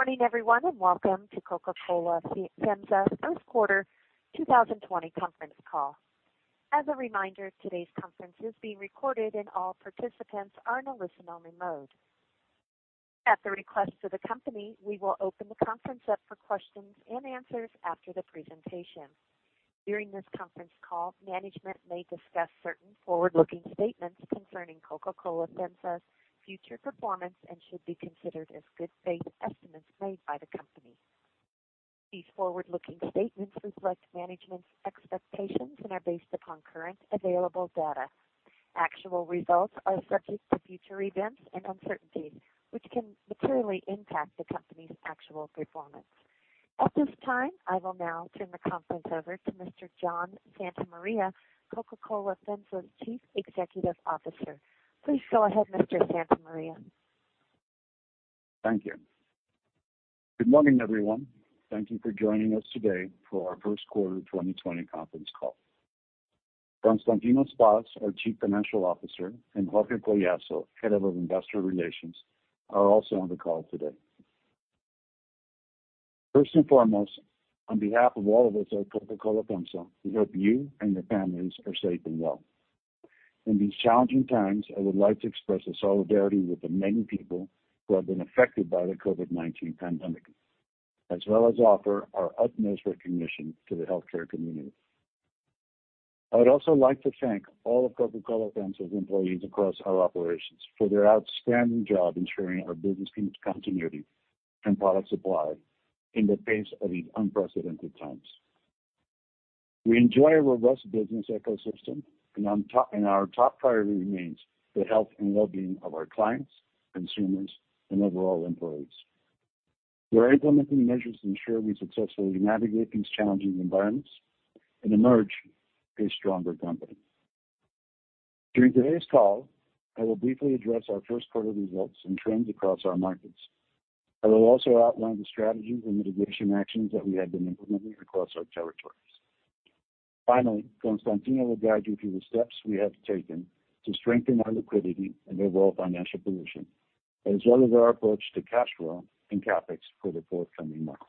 Good morning, everyone, and welcome to Coca-Cola FEMSA First Quarter 2020 Conference Call. As a reminder, today's conference is being recorded and all participants are in a listen-only mode. At the request of the company, we will open the conference up for questions and answers after the presentation. During this conference call, management may discuss certain forward-looking statements concerning Coca-Cola FEMSA's future performance and should be considered as good faith estimates made by the company. These forward-looking statements reflect management's expectations and are based upon current available data. Actual results are subject to future events and uncertainties, which can materially impact the company's actual performance. At this time, I will now turn the conference over to Mr. John Santa Maria, Coca-Cola FEMSA's Chief Executive Officer. Please go ahead, Mr. Santa Maria. Thank you. Good morning, everyone. Thank you for joining us today for our First Quarter 2020 Conference Call. Constantino Spas, our Chief Financial Officer, and Jorge Collazo, Head of Investor Relations, are also on the call today. First and foremost, on behalf of all of us at Coca-Cola FEMSA, we hope you and your families are safe and well. In these challenging times, I would like to express our solidarity with the many people who have been affected by the COVID-19 pandemic, as well as offer our utmost recognition to the healthcare community. I would also like to thank all of Coca-Cola FEMSA's employees across our operations for their outstanding job ensuring our business continuity and product supply in the face of these unprecedented times. We enjoy a robust business ecosystem, and our top priority remains the health and well-being of our clients, consumers and overall employees. We are implementing measures to ensure we successfully navigate these challenging environments and emerge a stronger company. During today's call, I will briefly address our first quarter results and trends across our markets. I will also outline the strategies and mitigation actions that we have been implementing across our territories. Finally, Constantino will guide you through the steps we have taken to strengthen our liquidity and overall financial position, as well as our approach to cash flow and CapEx for the forthcoming months.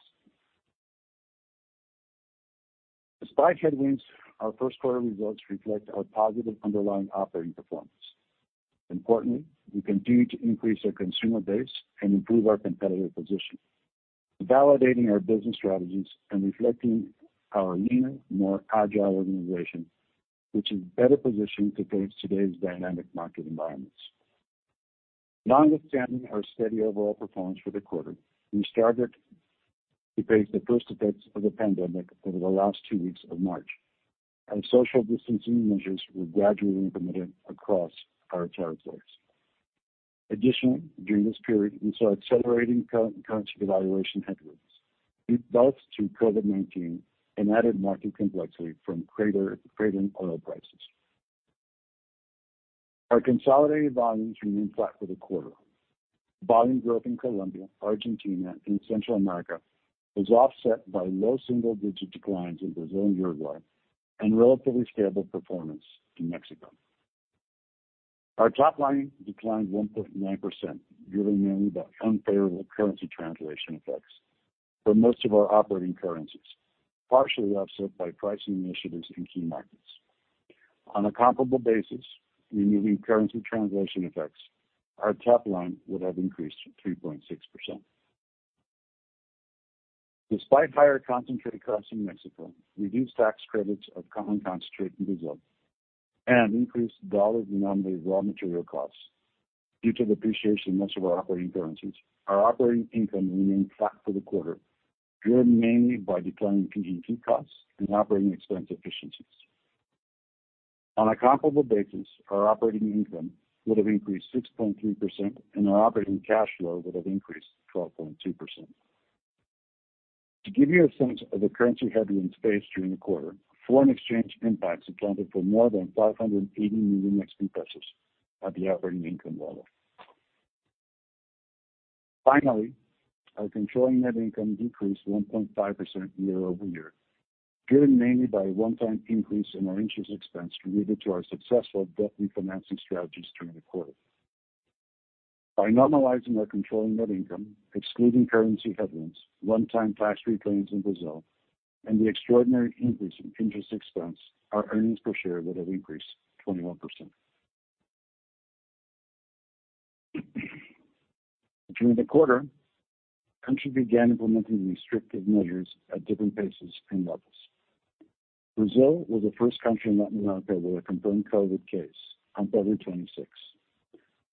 Despite headwinds, our first quarter results reflect our positive underlying operating performance. Importantly, we continue to increase our consumer base and improve our competitive position, validating our business strategies and reflecting our leaner, more agile organization, which is better positioned to face today's dynamic market environments. Notwithstanding our steady overall performance for the quarter, we started to face the first effects of the pandemic over the last two weeks of March, as social distancing measures were gradually implemented across our territories. Additionally, during this period, we saw accelerating currency devaluation headwinds, due both to COVID-19 and added market complexity from cratering oil prices. Our consolidated volumes remained flat for the quarter. Volume growth in Colombia, Argentina and Central America was offset by low single-digit declines in Brazil and Uruguay, and relatively stable performance in Mexico. Our top line declined 1.9%, driven mainly by unfavorable currency translation effects for most of our operating currencies, partially offset by pricing initiatives in key markets. On a comparable basis, removing currency translation effects, our top line would have increased 3.6%. Despite higher concentrate costs in Mexico, reduced tax credits on concentrate in Brazil, and increased dollar-denominated raw material costs due to the appreciation of most of our operating currencies, our operating income remained flat for the quarter, driven mainly by declining PET costs and operating expense efficiencies. On a comparable basis, our operating income would have increased 6.3% and our operating cash flow would have increased 12.2%. To give you a sense of the currency headwinds faced during the quarter, foreign exchange impacts accounted for more than 580 million Mexican pesos at the operating income level. Finally, our controlling net income decreased 1.5% year-over-year, driven mainly by a one-time increase in our interest expense related to our successful debt refinancing strategies during the quarter. By normalizing our controlling net income, excluding currency headwinds, one-time tax reclaims in Brazil, and the extraordinary increase in interest expense, our earnings per share would have increased 21%. During the quarter, countries began implementing restrictive measures at different paces and levels. Brazil was the first country in Latin America with a confirmed COVID-19 case on February 26.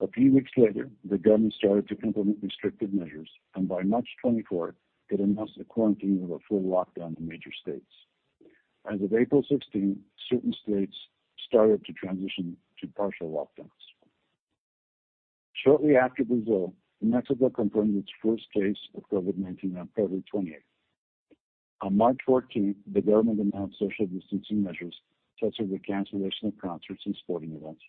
A few weeks later, the government started to implement restrictive measures, and by March 24, it announced a quarantine of a full lockdown in major states. As of April 16, certain states started to transition to partial lockdowns. Shortly after Brazil, Mexico confirmed its first case of COVID-19 on February 28. On March 14, the government announced social distancing measures, such as the cancellation of concerts and sporting events,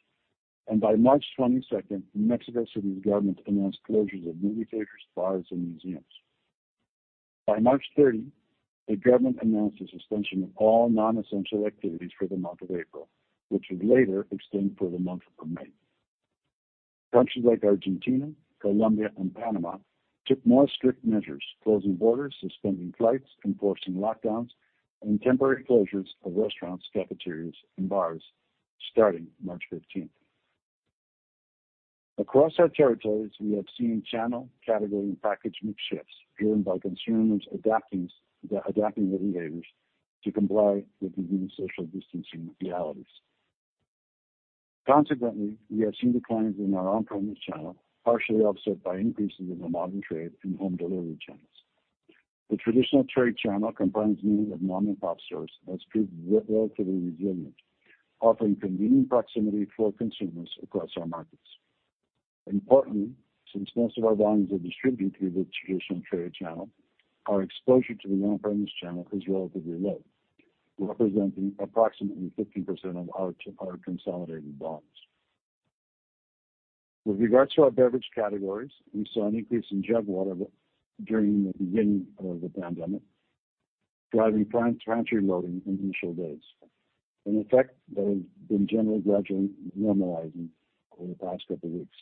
and by March 22, Mexico City's government announced closures of movie theaters, bars, and museums. By March 30, the government announced the suspension of all non-essential activities for the month of April, which was later extended for the month of May. Countries like Argentina, Colombia, and Panama took more strict measures, closing borders, suspending flights, enforcing lockdowns, and temporary closures of restaurants, cafeterias, and bars starting March 15. Across our territories, we have seen channel, category, and package mix shifts driven by consumers adapting their behaviors to comply with the new social distancing realities. Consequently, we have seen declines in our on-premise channel, partially offset by increases in the modern trade and home delivery channels. The traditional trade channel comprises mainly of mom-and-pop stores that's proved relatively resilient, offering convenient proximity for consumers across our markets. Importantly, since most of our volumes are distributed through the traditional trade channel, our exposure to the on-premise channel is relatively low, representing approximately 15% of our consolidated volumes. With regards to our beverage categories, we saw an increase in jug water during the beginning of the pandemic, driving client pantry loading in initial days. An effect that has been generally gradually normalizing over the past couple weeks.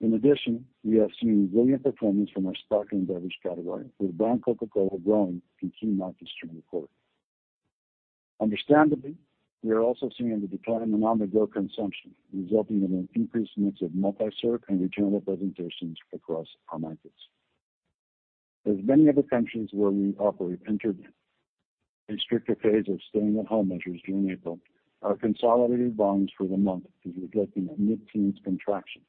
In addition, we have seen resilient performance from our sparkling beverage category, with brand Coca-Cola growing in key markets during the quarter. Understandably, we are also seeing a decline in on-the-go consumption, resulting in an increased mix of multi-serve and returnable presentations across our markets. As many other countries where we operate entered a stricter phase of staying-at-home measures during April, our consolidated volumes for the month is reflecting a mid-teens contraction.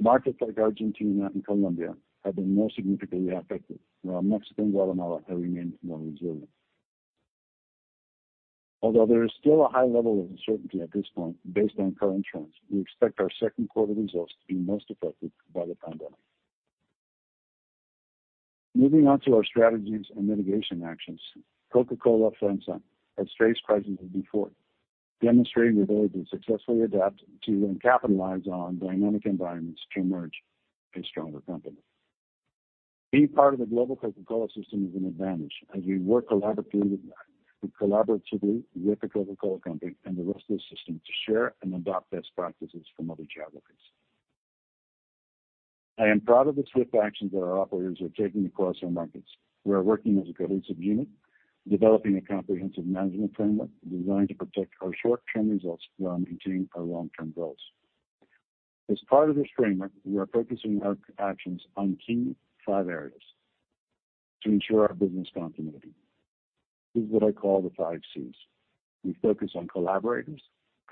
Markets like Argentina and Colombia have been more significantly affected, while Mexico and Guatemala have remained more resilient. Although there is still a high level of uncertainty at this point, based on current trends, we expect our second quarter results to be most affected by the pandemic. Moving on to our strategies and mitigation actions, Coca-Cola FEMSA has faced crises before, demonstrating the ability to successfully adapt to and capitalize on dynamic environments to emerge a stronger company. Being part of the global Coca-Cola system is an advantage as we work collaboratively with The Coca-Cola Company and the rest of the system to share and adopt best practices from other geographies. I am proud of the swift actions that our operators are taking across our markets. We are working as a cohesive unit, developing a comprehensive management framework designed to protect our short-term results while maintaining our long-term goals. As part of this framework, we are focusing our actions on key five areas to ensure our business continuity. This is what I call the five Cs. We focus on Collaborators,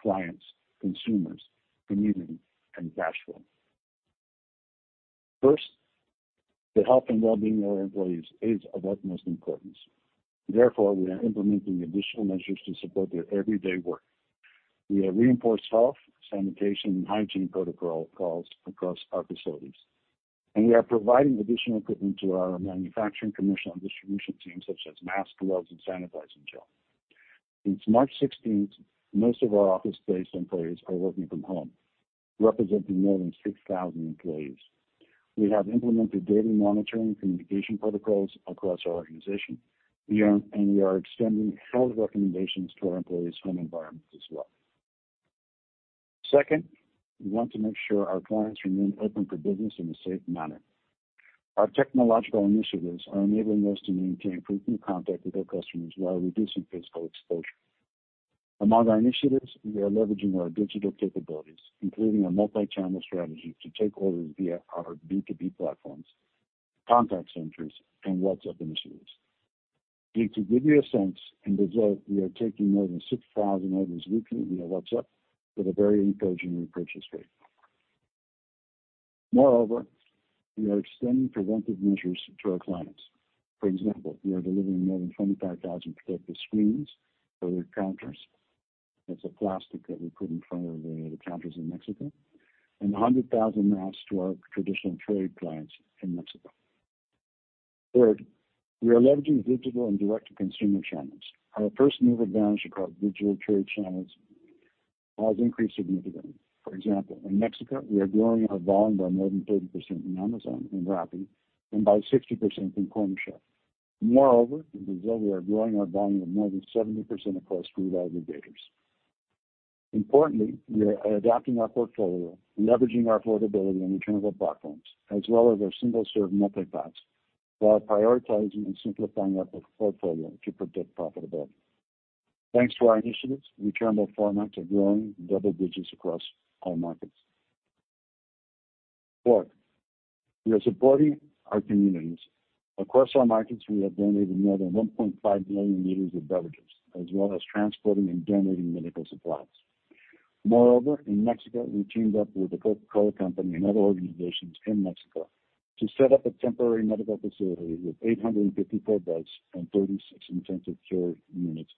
Clients, Consumers, Community, and Cash Flow. First, the health and well-being of our employees is of utmost importance. Therefore, we are implementing additional measures to support their everyday work. We have reinforced health, sanitation, and hygiene protocols across our facilities, and we are providing additional equipment to our manufacturing, commercial, and distribution teams, such as masks, gloves, and sanitizing gel. Since March 16, most of our office-based employees are working from home, representing more than 6,000 employees. We have implemented daily monitoring communication protocols across our organization. We are extending health recommendations to our employees' home environments as well. Second, we want to make sure our clients remain open for business in a safe manner. Our technological initiatives are enabling us to maintain frequent contact with our customers while reducing physical exposure. Among our initiatives, we are leveraging our digital capabilities, including our multi-channel strategy, to take orders via our B2B platforms, contact centers, and WhatsApp initiatives. And to give you a sense, in Brazil, we are taking more than 6,000 orders weekly via WhatsApp with a very encouraging repurchase rate. Moreover, we are extending preventive measures to our clients. For example, we are delivering more than 25,000 protective screens for their counters. That's a plastic that we put in front of the counters in Mexico, and 100,000 masks to our traditional trade clients in Mexico. Third, we are leveraging digital and direct-to-consumer channels. Our first-mover advantage across digital trade channels has increased significantly. For example, in Mexico, we are growing our volume by more than 30% in Amazon and Rappi, and by 60% in Cornershop. Moreover, in Brazil, we are growing our volume of more than 70% across food aggregators. Importantly, we are adapting our portfolio, leveraging our affordability and returnable platforms, as well as our single-serve multi-packs, while prioritizing and simplifying our portfolio to protect profitability. Thanks to our initiatives, returnable formats are growing double digits across all markets. Fourth, we are supporting our communities. Across our markets, we have donated more than 1.5 million liters of beverages, as well as transporting and donating medical supplies. Moreover, in Mexico, we teamed up with The Coca-Cola Company and other organizations in Mexico to set up a temporary medical facility with 854 beds and 36 intensive care units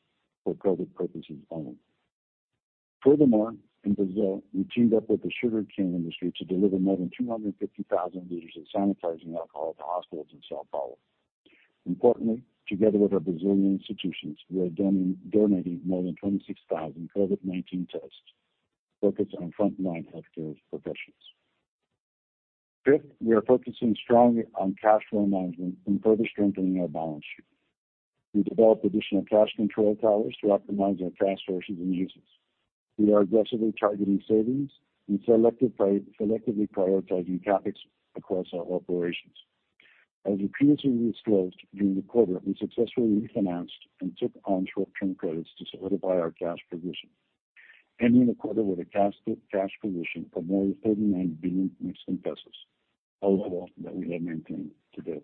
for COVID purposes only. Furthermore, in Brazil, we teamed up with the sugarcane industry to deliver more than 250,000 liters of sanitizing alcohol to hospitals in São Paulo. Importantly, together with our Brazilian institutions, we are donating more than 26,000 COVID-19 tests focused on frontline healthcare professionals. Fifth, we are focusing strongly on cash flow management and further strengthening our balance sheet. We developed additional cash control towers to optimize our cash sources and uses. We are aggressively targeting savings and selectively prioritizing CapEx across our operations. As previously disclosed, during the quarter, we successfully refinanced and took on short-term credits to solidify our cash position, ending the quarter with a cash position of more than 39 billion Mexican pesos, a level that we have maintained today.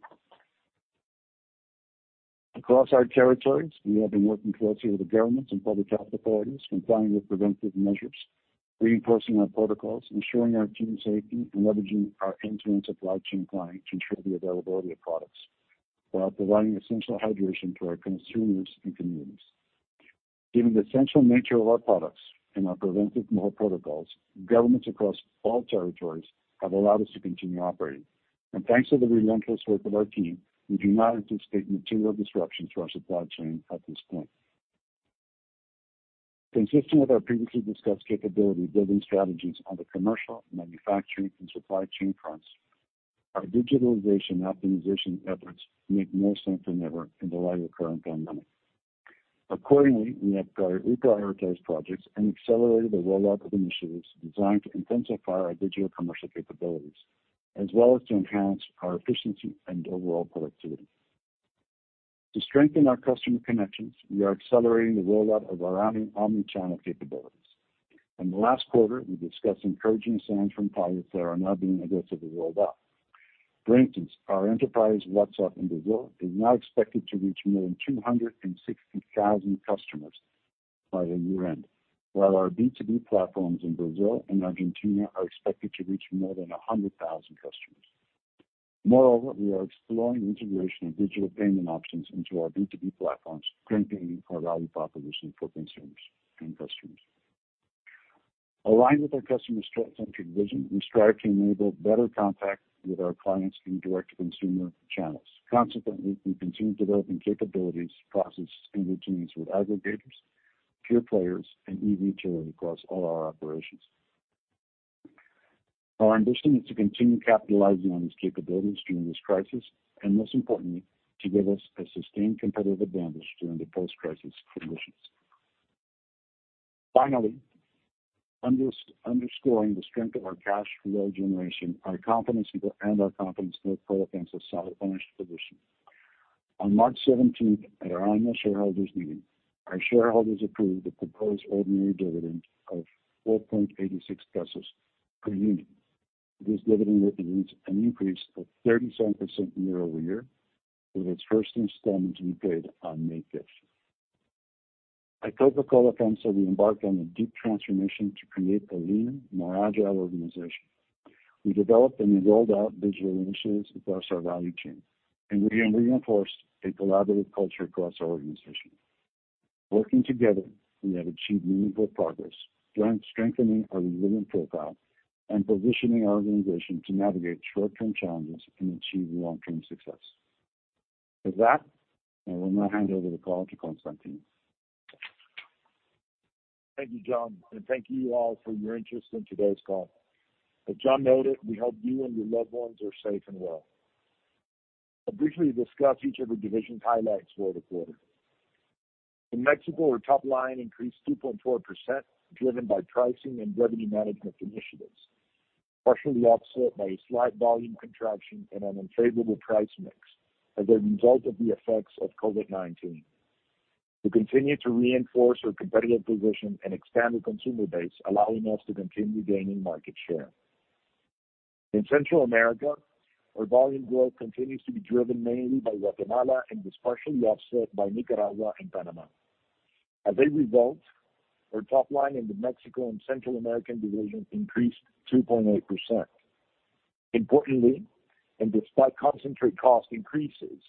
Across our territories, we have been working closely with the governments and public health authorities, complying with preventive measures, reinforcing our protocols, ensuring our team safety, and leveraging our end-to-end supply chain planning to ensure the availability of products while providing essential hydration to our consumers and communities. Given the essential nature of our products and our preventive health protocols, governments across all territories have allowed us to continue operating, and thanks to the relentless work of our team, we do not anticipate material disruptions to our supply chain at this point. Consistent with our previously discussed capability building strategies on the commercial, manufacturing, and supply chain fronts, our digitalization and optimization efforts make more sense than ever in the light of the current pandemic. Accordingly, we have reprioritized projects and accelerated the rollout of initiatives designed to intensify our digital commercial capabilities, as well as to enhance our efficiency and overall productivity. To strengthen our customer connections, we are accelerating the rollout of our omni-channel capabilities. In the last quarter, we discussed encouraging signs from pilots that are now being aggressively rolled out. For instance, our enterprise WhatsApp in Brazil is now expected to reach more than 260,000 customers by year-end, while our B2B platforms in Brazil and Argentina are expected to reach more than 100,000 customers. Moreover, we are exploring the integration of digital payment options into our B2B platforms, strengthening our value proposition for consumers and customers. Aligned with our customer-centric vision, we strive to enable better contact with our clients in direct-to-consumer channels. Consequently, we continue developing capabilities to process standard routines with aggregators, pure players, and e-retail across all our operations. Our ambition is to continue capitalizing on these capabilities during this crisis, and most importantly, to give us a sustained competitive advantage during the post-crisis conditions. Finally, underscoring the strength of our cash flow generation, our competency and our company's Coca-Cola FEMSA solid financial position. On March 17, at our annual shareholders meeting, our shareholders approved the proposed ordinary dividend of 4.86 pesos per unit. This dividend represents an increase of 37% year-over-year, with its first installment to be paid on May 5. At Coca-Cola FEMSA, we embarked on a deep transformation to create a lean, more agile organization. We developed and rolled out digital initiatives across our value chain, and we reinforced a collaborative culture across our organization. Working together, we have achieved meaningful progress, strengthening our resilient profile and positioning our organization to navigate short-term challenges and achieve long-term success. With that, I will now hand over the call to Constantino. Thank you, John, and thank you all for your interest in today's call. As John noted, we hope you and your loved ones are safe and well. I'll briefly discuss each of the division's highlights for the quarter. In Mexico, our top line increased 2.4%, driven by pricing and revenue management initiatives, partially offset by a slight volume contraction and an unfavorable price mix as a result of the effects of COVID-19. We continue to reinforce our competitive position and expand the consumer base, allowing us to continue gaining market share. In Central America, our volume growth continues to be driven mainly by Guatemala and was partially offset by Nicaragua and Panama. As a result, our top line in the Mexico and Central America division increased 2.8%. Importantly, and despite concentrate cost increases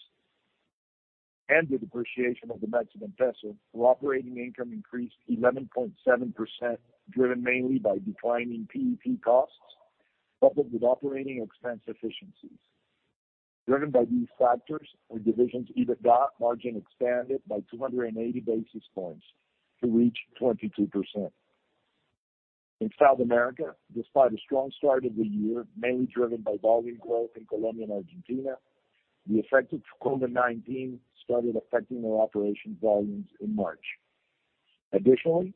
and the depreciation of the Mexican peso, our operating income increased 11.7%, driven mainly by declining PET costs, coupled with operating expense efficiencies. Driven by these factors, our division's EBITDA margin expanded by 280 basis points to reach 22%. In South America, despite a strong start of the year, mainly driven by volume growth in Colombia and Argentina, the effects of COVID-19 started affecting our operations volumes in March. Additionally,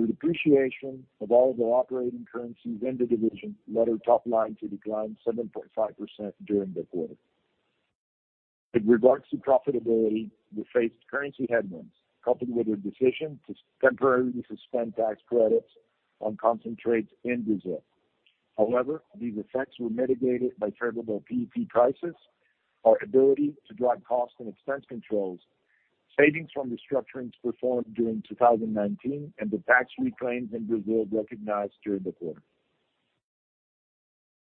the depreciation of all the operating currencies in the division led our top line to decline 7.5% during the quarter. In regards to profitability, we faced currency headwinds, coupled with a decision to temporarily suspend tax credits on concentrates in Brazil. However, these effects were mitigated by favorable PET prices, our ability to drive cost and expense controls, savings from restructurings performed during 2019, and the tax reclaims in Brazil recognized during the quarter.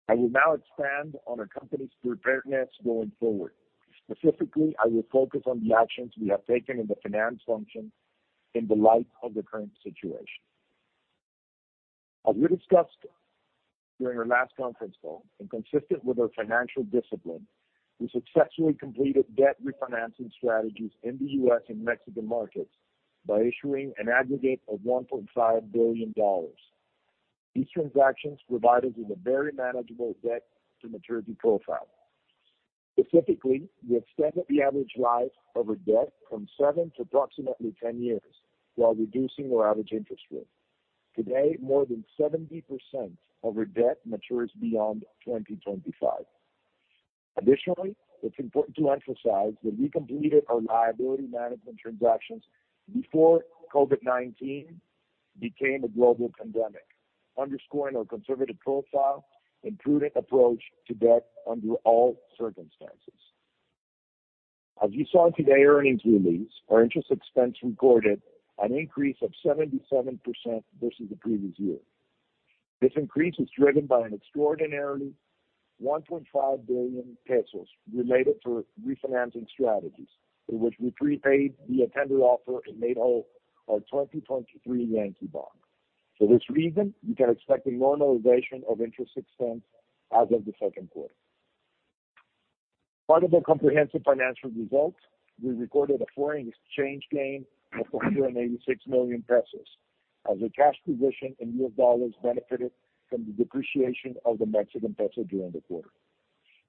I will now expand on our company's preparedness going forward. Specifically, I will focus on the actions we have taken in the finance function in the light of the current situation. As we discussed during our last conference call, and consistent with our financial discipline, we successfully completed debt refinancing strategies in the U.S. and Mexican markets by issuing an aggregate of $1.5 billion. These transactions provide us with a very manageable debt to maturity profile. Specifically, we extended the average life of our debt from seven to approximately 10 years, while reducing our average interest rate. Today, more than 70% of our debt matures beyond 2025. Additionally, it's important to emphasize that we completed our liability management transactions before COVID-19 became a global pandemic, underscoring our conservative profile and prudent approach to debt under all circumstances. As you saw in today's earnings release, our interest expense recorded an increase of 77% versus the previous year. This increase is driven by an extraordinary 1.5 billion pesos related to refinancing strategies, in which we prepaid the tender offer and made whole our 2023 Yankee Bond. For this reason, you can expect a normalization of interest expense as of the second quarter. Part of our comprehensive financial results, we recorded a foreign exchange gain of 486 million pesos, as our cash position in U.S. dollars benefited from the depreciation of the Mexican peso during the quarter.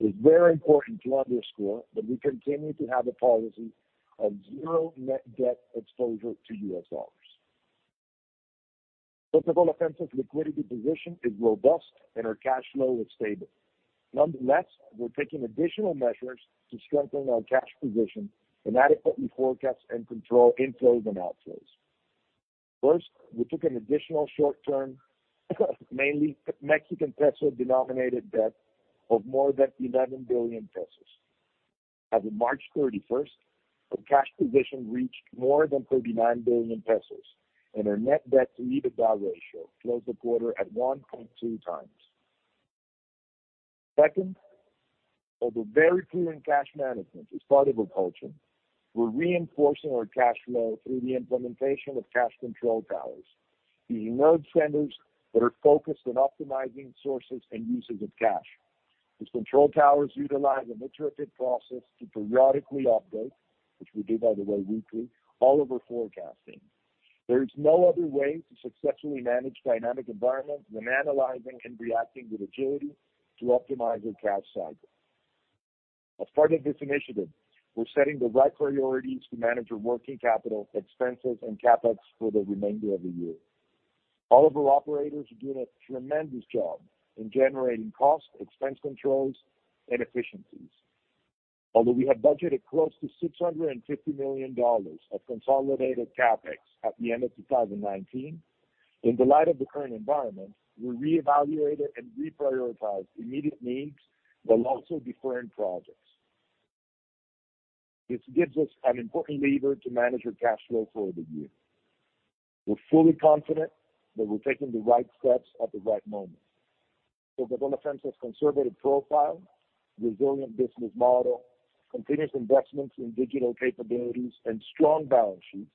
It's very important to underscore that we continue to have a policy of zero net debt exposure to U.S. dollars. Coca-Cola FEMSA's liquidity position is robust, and our cash flow is stable. Nonetheless, we're taking additional measures to strengthen our cash position and adequately forecast and control inflows and outflows. First, we took an additional short-term, mainly Mexican peso denominated debt of more than 11 billion pesos. As of March 31, our cash position reached more than 39 billion pesos, and our net debt to EBITDA ratio closed the quarter at 1.2x. Second, with a very clear cash management as part of our culture, we're reinforcing our cash flow through the implementation of cash control towers, the node centers that are focused on optimizing sources and uses of cash. These control towers utilize an iterative process to periodically update, which we do, by the way, weekly, all of our forecasting. There is no other way to successfully manage dynamic environments than analyzing and reacting with agility to optimize your cash cycle. As part of this initiative, we're setting the right priorities to manage our working capital expenses and CapEx for the remainder of the year. All of our operators are doing a tremendous job in generating cost, expense controls, and efficiencies. Although we have budgeted close to $650 million of consolidated CapEx at the end of 2019, in the light of the current environment, we reevaluated and reprioritized immediate needs, while also deferring projects. This gives us an important lever to manage our cash flow for the year. We're fully confident that we're taking the right steps at the right moment. Coca-Cola FEMSA's conservative profile, resilient business model, continuous investments in digital capabilities, and strong balance sheet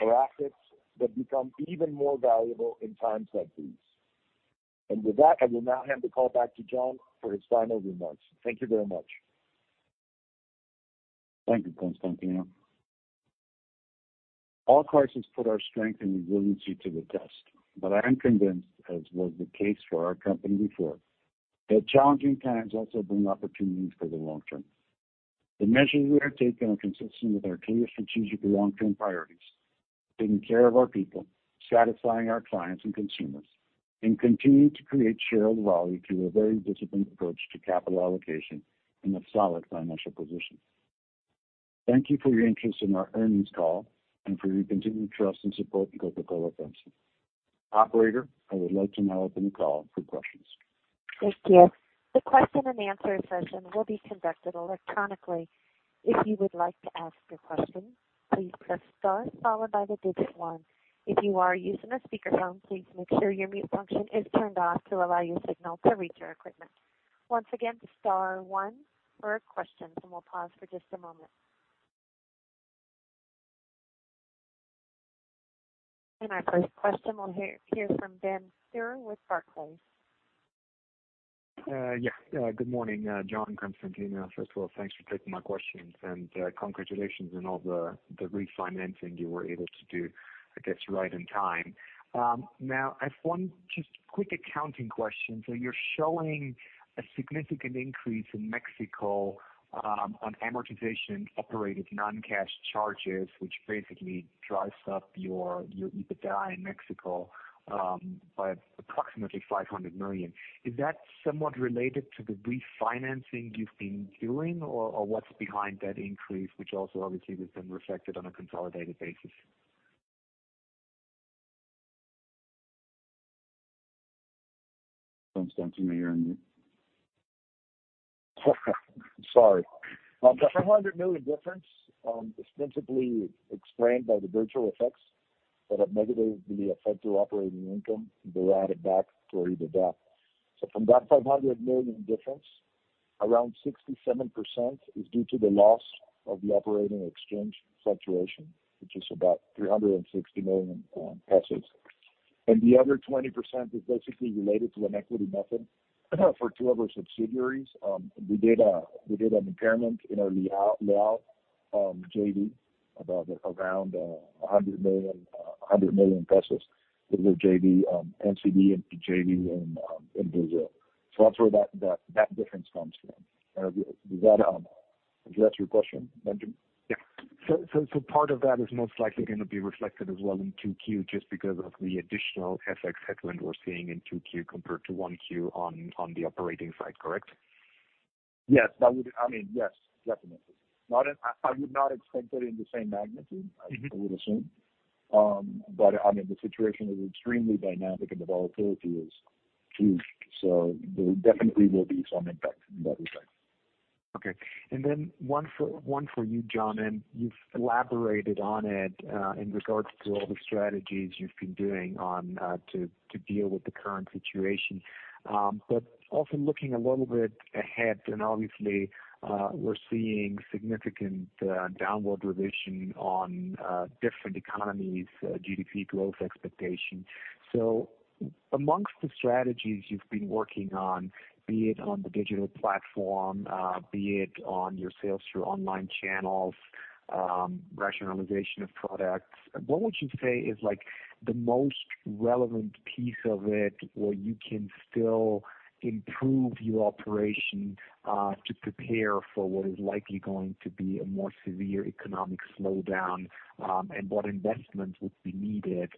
are assets that become even more valuable in times like these. And with that, I will now hand the call back to John for his final remarks. Thank you very much. Thank you, Constantino. All crises put our strength and resiliency to the test, but I am convinced, as was the case for our company before, that challenging times also bring opportunities for the long term. The measures we have taken are consistent with our clear strategic long-term priorities: taking care of our people, satisfying our clients and consumers, and continuing to create shareholder value through a very disciplined approach to capital allocation and a solid financial position. Thank you for your interest in our earnings call and for your continued trust and support in Coca-Cola FEMSA.Operator, I would like to now open the call for questions. Thank you. The question and answer session will be conducted electronically. If you would like to ask a question, please press star followed by the digit one. If you are using a speakerphone, please make sure your mute function is turned off to allow your signal to reach our equipment. Once again, star one for questions, and we'll pause for just a moment. And our first question, we'll hear, hear from Ben Theurer with Barclays. Yeah, good morning, John, Constantino. First of all, thanks for taking my questions, and congratulations on all the refinancing you were able to do, I guess, right on time. Now I have one just quick accounting question. So you're showing a significant increase in Mexico on amortization and operating non-cash charges, which basically drives up your EBITDA in Mexico by approximately 500 million. Is that somewhat related to the refinancing you've been doing, or what's behind that increase, which also obviously has been reflected on a consolidated basis? Constantino, you're on mute. Sorry. The 500 million difference is principally explained by the currency effects that have negatively affected operating income, and they're added back to EBITDA. So from that 500 million difference, around 67% is due to the loss of the operating exchange fluctuation, which is about 360 million pesos. And the other 20% is basically related to an equity method for two of our subsidiaries. We did an impairment in our Leão JV, about MXN 100 million with the JV NCD and the JV in Brazil. So that's where that difference comes from. Does that address your question, Benjamin? Yeah. So, part of that is most likely gonna be reflected as well in 2Q, just because of the additional FX headwind we're seeing in 2Q compared to 1Q on the operating side, correct? Yes, that would, I mean, yes, definitely. Not in, I would not expect it in the same magnitude. I would assume, but I mean, the situation is extremely dynamic, and the volatility is huge, so there definitely will be some impact on that effect. Okay. One for you, John, and you've elaborated on it in regards to all the strategies you've been doing on to deal with the current situation, but also looking a little bit ahead, and obviously, we're seeing significant downward revision on different economies' GDP growth expectation. Among the strategies you've been working on, be it on the digital platform, be it on your sales through online channels, rationalization of products, what would you say is, like, the most relevant piece of it, where you can still improve your operation to prepare for what is likely going to be a more severe economic slowdown, and what investments would be needed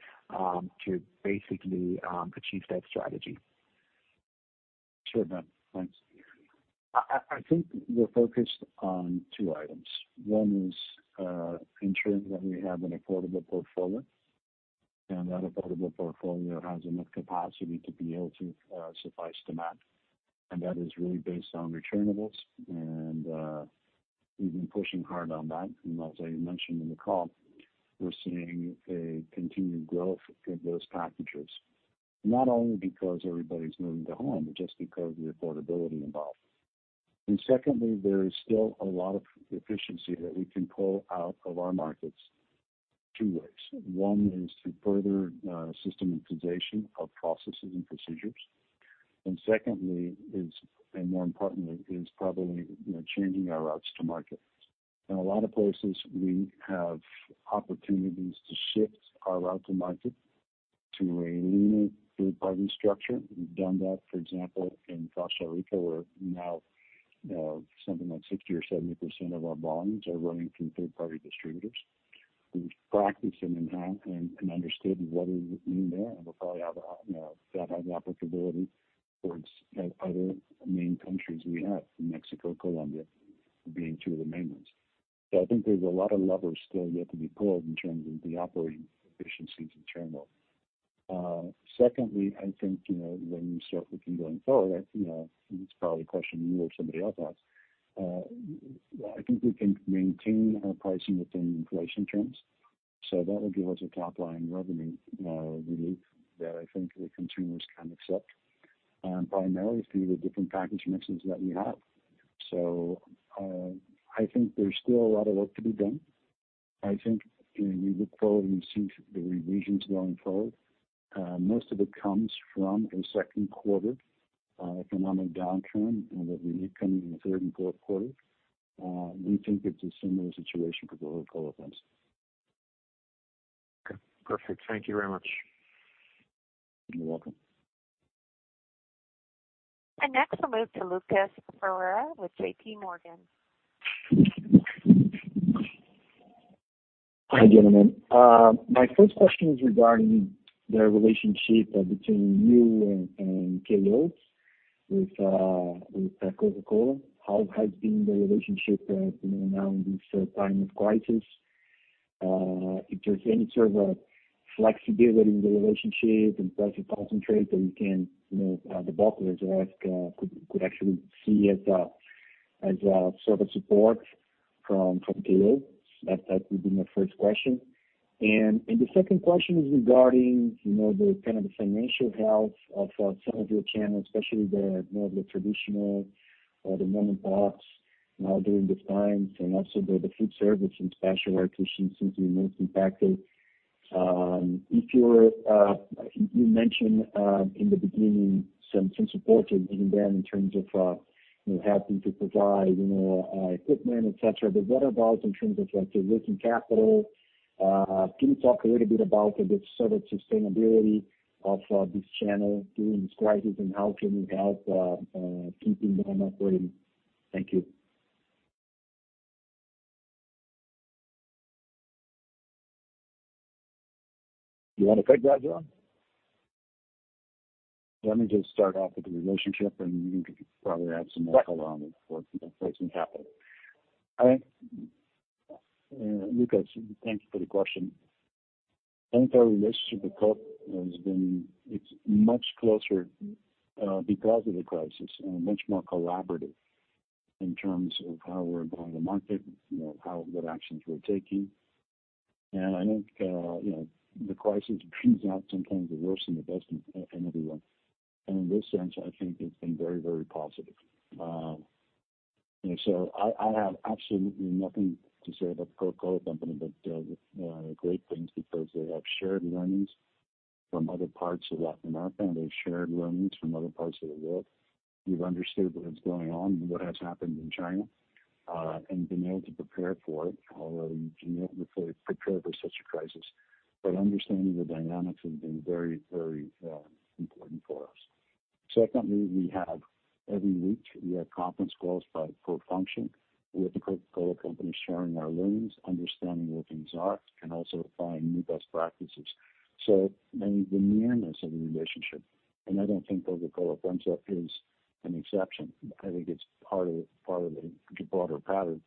to basically achieve that strategy? Sure, Ben. Thanks. I think we're focused on two items. One is ensuring that we have an affordable portfolio, and that affordable portfolio has enough capacity to be able to suffice demand, and that is really based on returnables. And we've been pushing hard on that, and as I mentioned in the call, we're seeing a continued growth in those packages, not only because everybody's moving to home, but just because of the affordability involved. And secondly, there is still a lot of efficiency that we can pull out of our markets two ways. One is through further systematization of processes and procedures. And secondly is, and more importantly, is probably, you know, changing our routes to market. In a lot of places, we have opportunities to shift our route to market to a leaner third-party structure. We've done that, for example, in Costa Rica, where now something like 60% or 70% of our volumes are running through third-party distributors. We've practiced and enhanced and understood what we did there, and we'll probably have, you know, that have applicability towards other main countries we have, Mexico, Colombia, being two of the main ones. So I think there's a lot of levers still yet to be pulled in terms of the operating efficiencies in turnover. Secondly, I think, you know, when we start looking going forward, you know, it's probably a question you or somebody else asked, I think we can maintain our pricing within inflation terms. So that will give us a top-line revenue relief that I think the consumers can accept, primarily through the different package mixes that we have. I think there's still a lot of work to be done. I think when we look forward and we see the revisions going forward, most of it comes from a second quarter economic downturn and that we need coming in the third and fourth quarter. We think it's a similar situation for the Coca-Cola brands. Okay, perfect. Thank you very much. You're welcome. Next, we'll move to Lucas Ferreira with JPMorgan. Hi, gentlemen. My first question is regarding the relationship between you and KO with Coca-Cola. How has been the relationship, you know, now in this time of crisis? If there's any sort of a flexibility in the relationship and price concentrate that you can, you know, the bottlers ask, could actually see as a sort of support from KO? That would be my first question. And the second question is regarding, you know, the kind of the financial health of some of your channels, especially the more of the traditional, the mom-and-pops, now during these times, and also the food service and on-premise seem to be most impacted. If you're, you mentioned, in the beginning, some support has been done in terms of, you know, helping to provide, you know, equipment, et cetera. But what about in terms of, like, the working capital? Can you talk a little bit about the sort of sustainability of this channel during this crisis, and how can you help keeping them operating? Thank you. You wanna take that, John? Let me just start off with the relationship, and you can probably add some more color on the working capital. Lucas, thank you for the question. I think our relationship with Coke has been. It's much closer, because of the crisis and much more collaborative in terms of how we're going to market, you know, how, what actions we're taking. And I think, you know, the crisis brings out sometimes the worst and the best in everyone. And in this sense, I think it's been very, very positive. And so I have absolutely nothing to say about the Coca-Cola Company, but great things, because they have shared learnings from other parts of Latin America, and they've shared learnings from other parts of the world. We've understood what is going on and what has happened in China, and been able to prepare for it, although you can never fully prepare for such a crisis. Understanding the dynamics has been very, very important for us. Secondly, we have every week conference calls by core function with the Coca-Cola Company, sharing our learnings, understanding where things are, and also applying new best practices. So the nearness of the relationship, and I don't think Coca-Cola comes up is an exception. I think it's part of a broader pattern.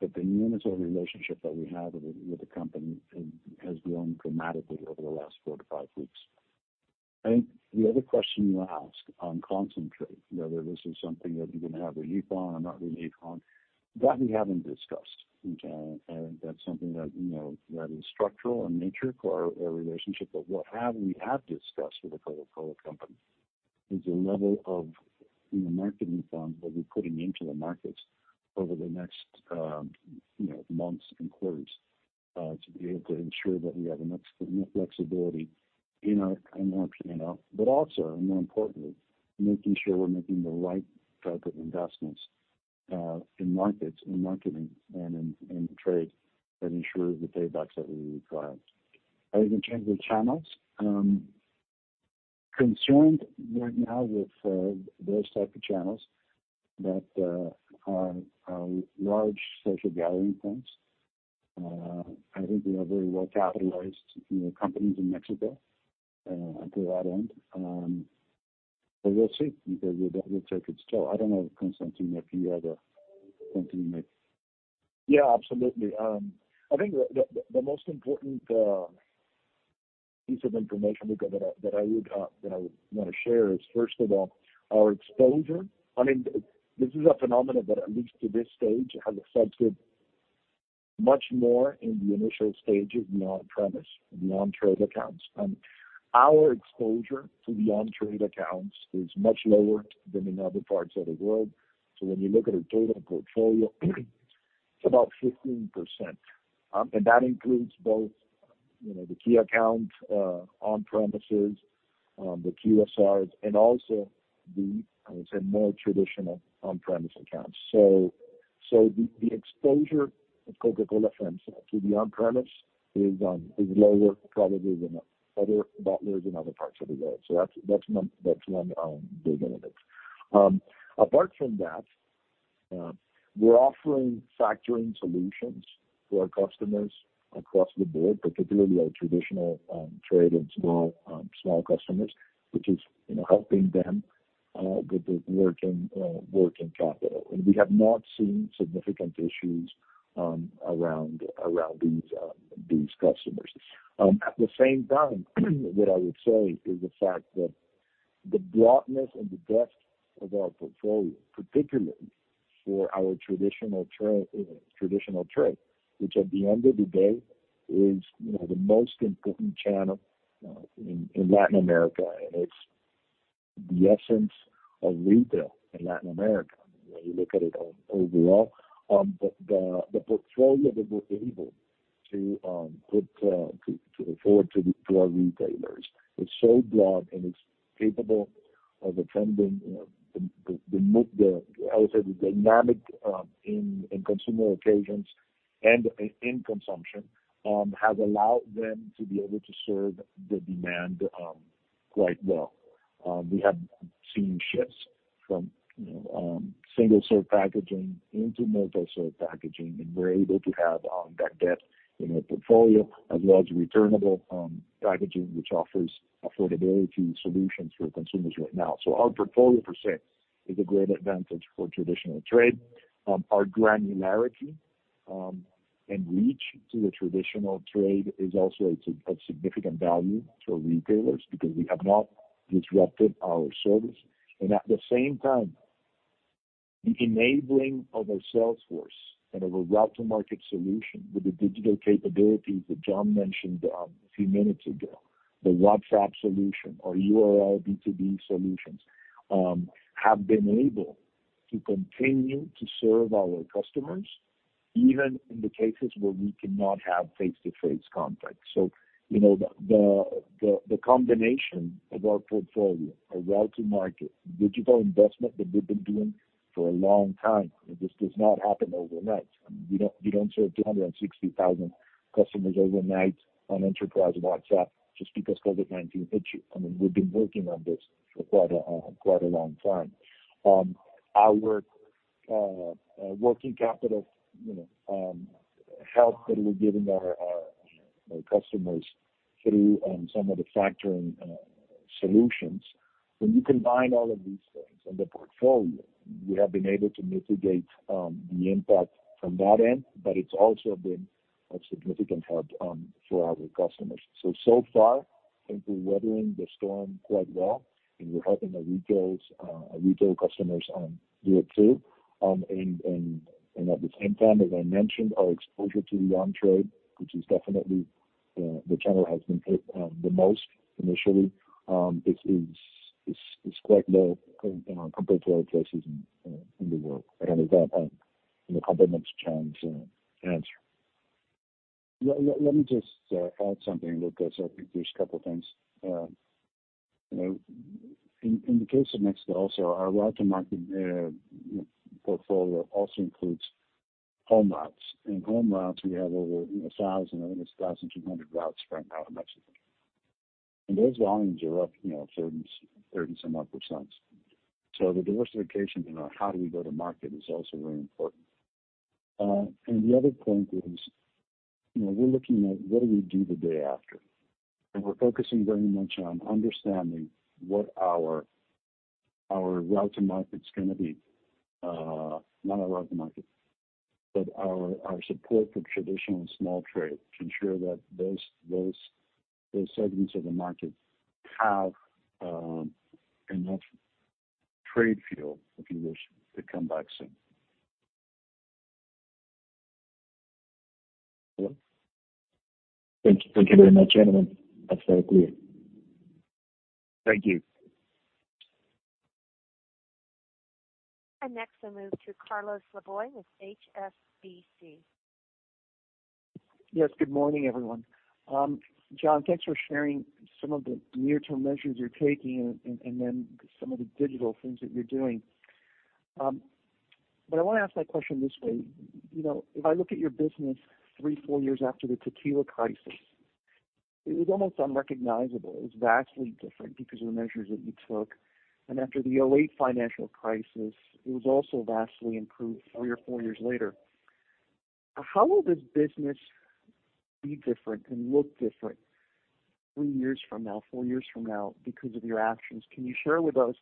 But the nearness of the relationship that we have with the company has grown dramatically over the last four to five weeks. I think the other question you asked on concentrate, whether this is something that we can have a hedge on or not really hedge on, that we haven't discussed. And that's something that, you know, that is structural in nature or relationship. But what we have discussed with the Coca-Cola Company is the level of the marketing funds that we're putting into the markets over the next, you know, months and quarters, to be able to ensure that we have enough flexibility in our marketing output. But also, and more importantly, making sure we're making the right type of investments in markets, in marketing, and in trade that ensure the paybacks that we require. I think in terms of channels, concerned right now with those type of channels that are large social gathering points. I think we are very well capitalized in the companies in Mexico, to that end. But we'll see, because that will take its toll. I don't know, Constantino, if you have something to add. Yeah, absolutely. I think the most important piece of information, Luca, that I would want to share is, first of all, our exposure. I mean, this is a phenomenon that, at least to this stage, has affected much more in the initial stages the on-premise, the on-trade accounts, and our exposure to the on-trade accounts is much lower than in other parts of the world. When you look at a total portfolio, it's about 15%, and that includes both, you know, the key accounts, on-premises, the QSRs, and also the, I would say, more traditional on-premise accounts. The exposure of Coca-Cola FEMSA to the on-premise is lower probably than other bottlers in other parts of the world. That's one big benefit. Apart from that, we're offering factoring solutions to our customers across the board, particularly our traditional trade and small customers, which is, you know, helping them with the working capital. And we have not seen significant issues around these customers. At the same time, what I would say is the fact that the broadness and the depth of our portfolio, particularly for our traditional trade, which at the end of the day is, you know, the most important channel in Latin America, and it's the essence of retail in Latin America, when you look at it overall. But the portfolio that we're able to offer to our retailers, it's so broad and it's capable of attending, you know, I would say, the dynamic in consumer occasions and in consumption has allowed them to be able to serve the demand quite well. We have seen shifts from, you know, single-serve packaging into multi-serve packaging, and we're able to have that depth in our portfolio, as well as returnable packaging, which offers affordability solutions for consumers right now. So our portfolio, per se, is a great advantage for traditional trade. Our granularity and reach to the traditional trade is also of significant value to retailers because we have not disrupted our service. And at the same time, the enabling of our sales force and of a route to market solution with the digital capabilities that John mentioned a few minutes ago, the WhatsApp solution, our B2B solutions, have been able to continue to serve our customers, even in the cases where we cannot have face-to-face contact. So, you know, the combination of our portfolio, our route to market, digital investment that we've been doing for a long time, this does not happen overnight. We don't serve 260,000 customers overnight on enterprise WhatsApp just because COVID-19 hit you. I mean, we've been working on this for quite a long time. Our working capital, you know, help that we're giving our customers through some of the factoring solutions. When you combine all of these things and the portfolio, we have been able to mitigate the impact from that end, but it's also been a significant help for our customers. So far, I think we're weathering the storm quite well, and we're helping our retail customers do it too. And at the same time, as I mentioned, our exposure to the on-trade, which is definitely the channel has been hit the most initially, is quite low compared to other places in the world. And with that, I'll complement John's answer. Let me just add something, Lucas. I think there's a couple things. You know, in the case of Mexico also, our route to market, you know, portfolio also includes home routes. In-home routes, we have over a thousand. I think it's two hundred routes spread out in Mexico. And those volumes are up, you know, thirties, thirties and more %. So the diversification, you know, how do we go to market is also very important. And the other point is, you know, we're looking at what do we do the day after. And we're focusing very much on understanding what our route to market's gonna be. Not our route to market, but our support for traditional small trade, to ensure that those segments of the market have enough trade fuel, if you wish, to come back soon. Hello? Thank you. Thank you very much, gentlemen. That's very clear. Thank you. Next, we'll move to Carlos Laboy with HSBC. Yes, good morning, everyone. John, thanks for sharing some of the near-term measures you're taking and then some of the digital things that you're doing. But I wanna ask my question this way: You know, if I look at your business three, four years after the Tequila Crisis, it was almost unrecognizable. It was vastly different because of the measures that you took. And after the '08 financial crisis, it was also vastly improved three or four years later. How will this business be different and look different three years from now, four years from now, because of your actions? Can you share with us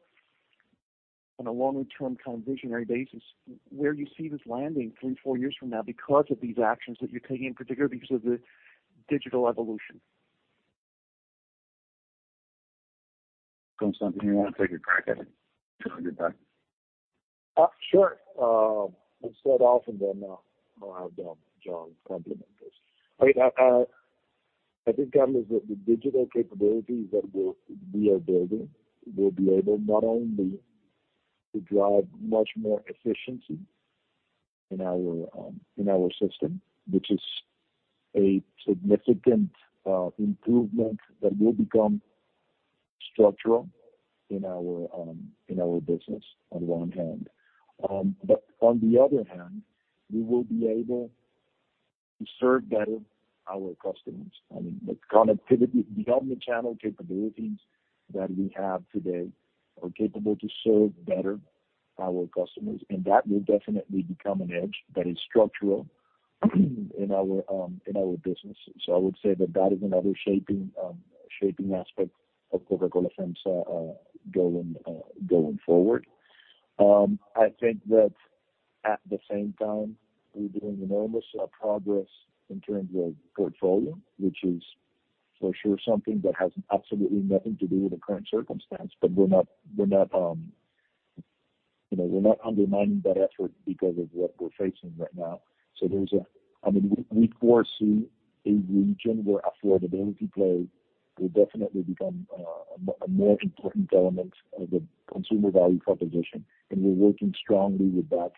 on a longer term kind of visionary basis, where you see this landing three, four years from now because of these actions that you're taking, in particular, because of the digital evolution? Constantino, you want to take a crack at it? So I get back. Sure. I'll start off and then I'll have John complement this. I think, Carlos, that the digital capabilities that we're building will be able not only to drive much more efficiency in our system, which is a significant improvement that will become structural in our business on one hand, but on the other hand, we will be able to serve better our customers. I mean, the connectivity, beyond the channel capabilities that we have today, are capable to serve better our customers, and that will definitely become an edge that is structural in our business. So I would say that that is another shaping aspect of Coca-Cola FEMSA going forward. I think that at the same time, we're doing enormous progress in terms of portfolio, which is for sure, something that has absolutely nothing to do with the current circumstance. But we're not, we're not, you know, we're not undermining that effort because of what we're facing right now. So there's. I mean, we foresee a region where affordability play will definitely become a more important element of the consumer value proposition, and we're working strongly with that,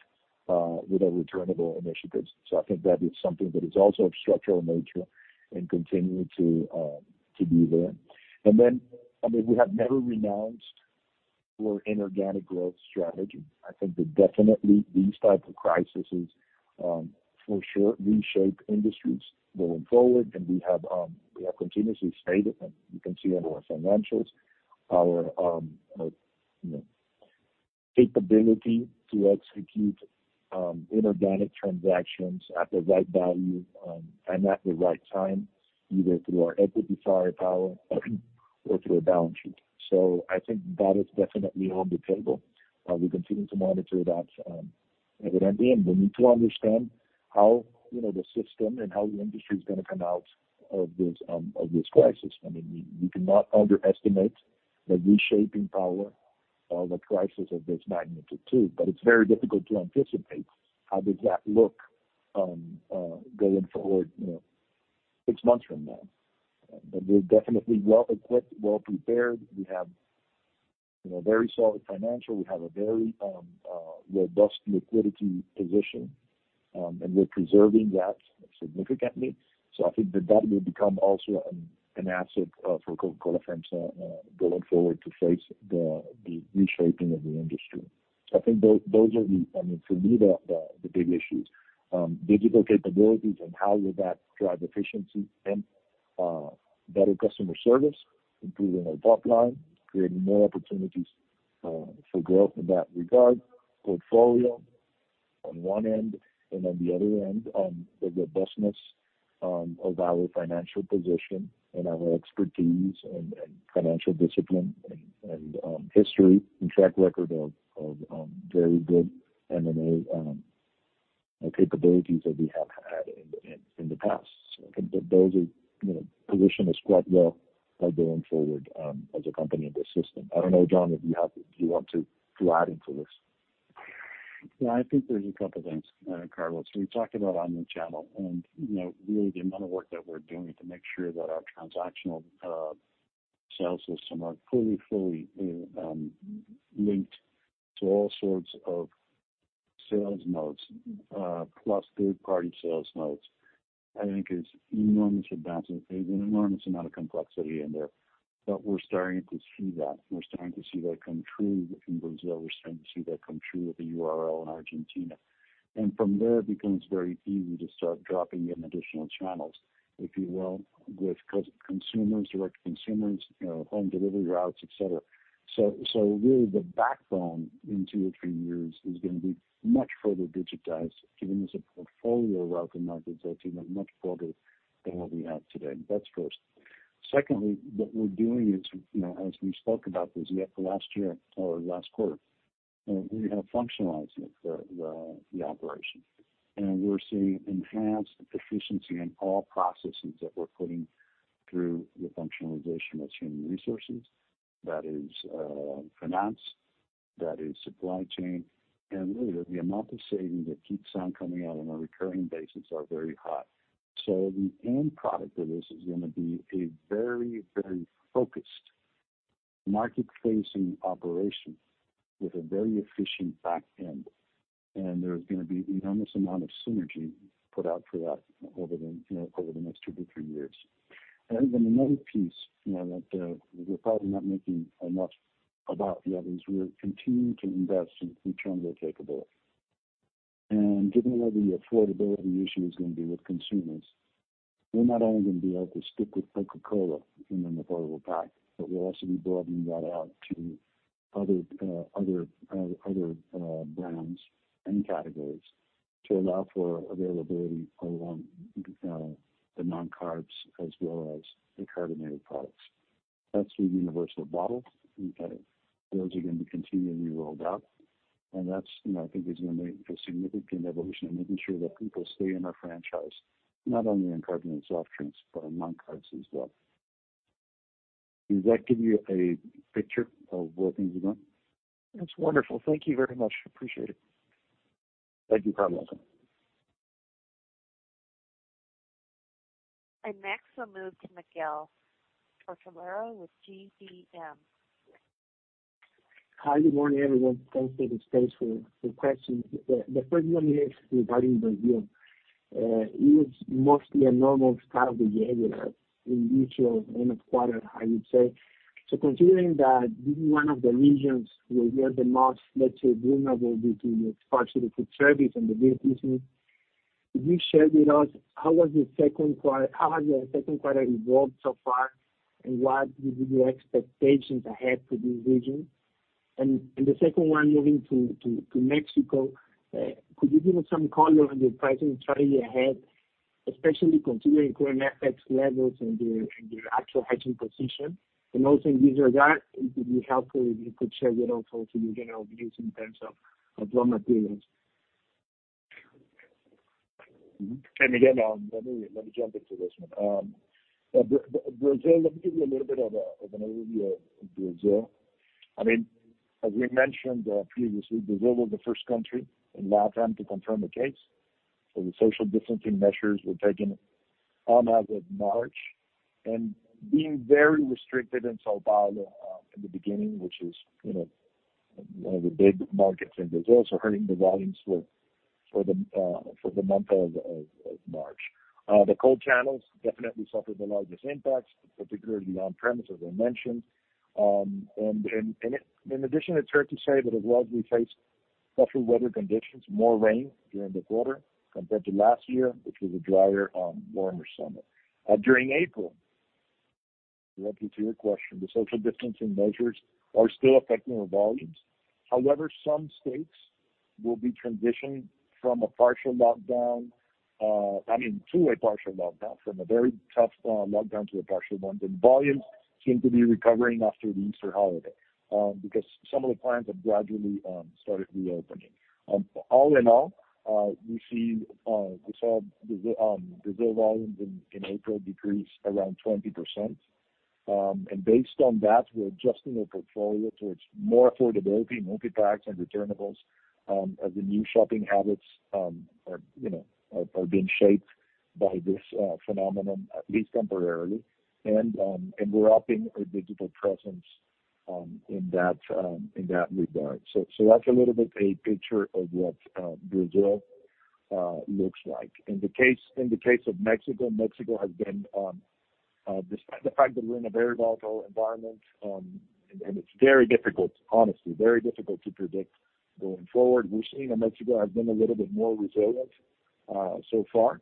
with our returnable initiatives. So I think that is something that is also of structural nature and continuing to be there. And then, I mean, we have never renounced our inorganic growth strategy. I think that definitely these types of crises for sure reshape industries going forward, and we have continuously stated, and you can see in our financials, our, you know, capability to execute inorganic transactions at the right value and at the right time, either through our equity firepower or through our balance sheet, so I think that is definitely on the table. We continue to monitor that evidently, and we need to understand how, you know, the system and how the industry is gonna come out of this crisis. I mean, we cannot underestimate the reshaping power of a crisis of this magnitude, too, but it's very difficult to anticipate how does that look going forward, you know, six months from now, but we're definitely well equipped, well prepared. We have, you know, very solid financial. We have a very robust liquidity position, and we're preserving that significantly. So I think that that will become also an asset for Coca-Cola FEMSA going forward to face the reshaping of the industry. I think those are the... I mean, for me, the big issues. Digital capabilities and how will that drive efficiency and better customer service, improving our top line, creating more opportunities for growth in that regard, portfolio on one end, and on the other end, the robustness of our financial position and our expertise and financial discipline and history and track record of very good M&A and capabilities that we have had in the past. So those are, you know, positioned us quite well by going forward, as a company in the system. I don't know, John, if you have, if you want to add into this? Yeah, I think there's a couple things, Carlos. We talked about omni-channel, and, you know, really the amount of work that we're doing to make sure that our transactional sales system are fully linked to all sorts of sales modes, plus third party sales modes, I think is enormous advancement. There's an enormous amount of complexity in there, but we're starting to see that. We're starting to see that come true in Brazil. We're starting to see that come true with the URL in Argentina. From there, it becomes very easy to start dropping in additional channels, if you will, with co-consumers, direct consumers, you know, home delivery routes, et cetera. So, really, the backbone in two or three years is gonna be much further digitized, giving us a portfolio route to market that goes much further than what we have today. That's first. Secondly, what we're doing is, you know, as we spoke about this year, last year or last quarter, we have functionalizing the operation, and we're seeing enhanced efficiency in all processes that we're putting through the functionalization of human resources. That is, finance, that is supply chain, and really, the amount of savings that keeps on coming out on a recurring basis are very high. So the end product of this is gonna be a very, very focused market-facing operation with a very efficient back end, and there's gonna be enormous amount of synergy put out for that over the, you know, over the next two to three years. And then another piece, you know, that we're probably not making enough about the others, we're continuing to invest in returnable capablility. And given where the affordability issue is gonna be with consumers, we're not only gonna be able to stick with Coca-Cola in an affordable pack, but we'll also be broadening that out to other brands and categories to allow for availability along the non-carbs as well as the carbonated products. That's the Universal Bottle, and those are going to continually be rolled out, and that's, you know, I think is gonna make a significant evolution in making sure that people stay in our franchise, not only in carbonated soft drinks, but in non-carbs as well. Does that give you a picture of where things are going? That's wonderful. Thank you very much. Appreciate it. Thank you, Carlos. Next, we'll move to Miguel Tortolero with GBM. Hi, good morning, everyone. Thanks for the space for questions. The first one is regarding Brazil. It was mostly a normal start of the year in a usual quarter, I would say. So considering that this is one of the regions where we are the most, let's say, vulnerable due to the parts of the food service and the beer business, could you share with us how has the second quarter evolved so far, and what would be your expectations ahead for this region? And the second one, moving to Mexico, could you give us some color on the pricing strategy ahead, especially considering current FX levels and the actual hedging position? Also in regard, it would be helpful if you could share with us also the general views in terms of raw materials. And again, let me jump into this one. Brazil, let me give you a little bit of an overview of Brazil. I mean, as we mentioned previously, Brazil was the first country in Latin to confirm the case, so the social distancing measures were taken on as of March, and being very restricted in São Paulo in the beginning, which is, you know, one of the big markets in Brazil, so hurting the volumes for the month of March. The cold channels definitely suffered the largest impacts, particularly on premise, as I mentioned. And in addition, it's hard to say, but as well as we faced tougher weather conditions, more rain during the quarter compared to last year, which was a drier, warmer summer. During April, directly to your question, the social distancing measures are still affecting our volumes. However, some states will be transitioning from a very tough lockdown to a partial lockdown. The volumes seem to be recovering after the Easter holiday, because some of the plants have gradually started reopening. All in all, we saw Brazil volumes in April decrease around 20%, and based on that, we're adjusting our portfolio towards more affordability, multi-packs and returnables, as the new shopping habits, you know, are being shaped by this phenomenon, at least temporarily, and we're upping our digital presence, in that regard. So that's a little bit a picture of what Brazil looks like. In the case of Mexico, Mexico has been, despite the fact that we're in a very volatile environment, and it's very difficult, honestly, very difficult to predict going forward, we're seeing that Mexico has been a little bit more resilient so far,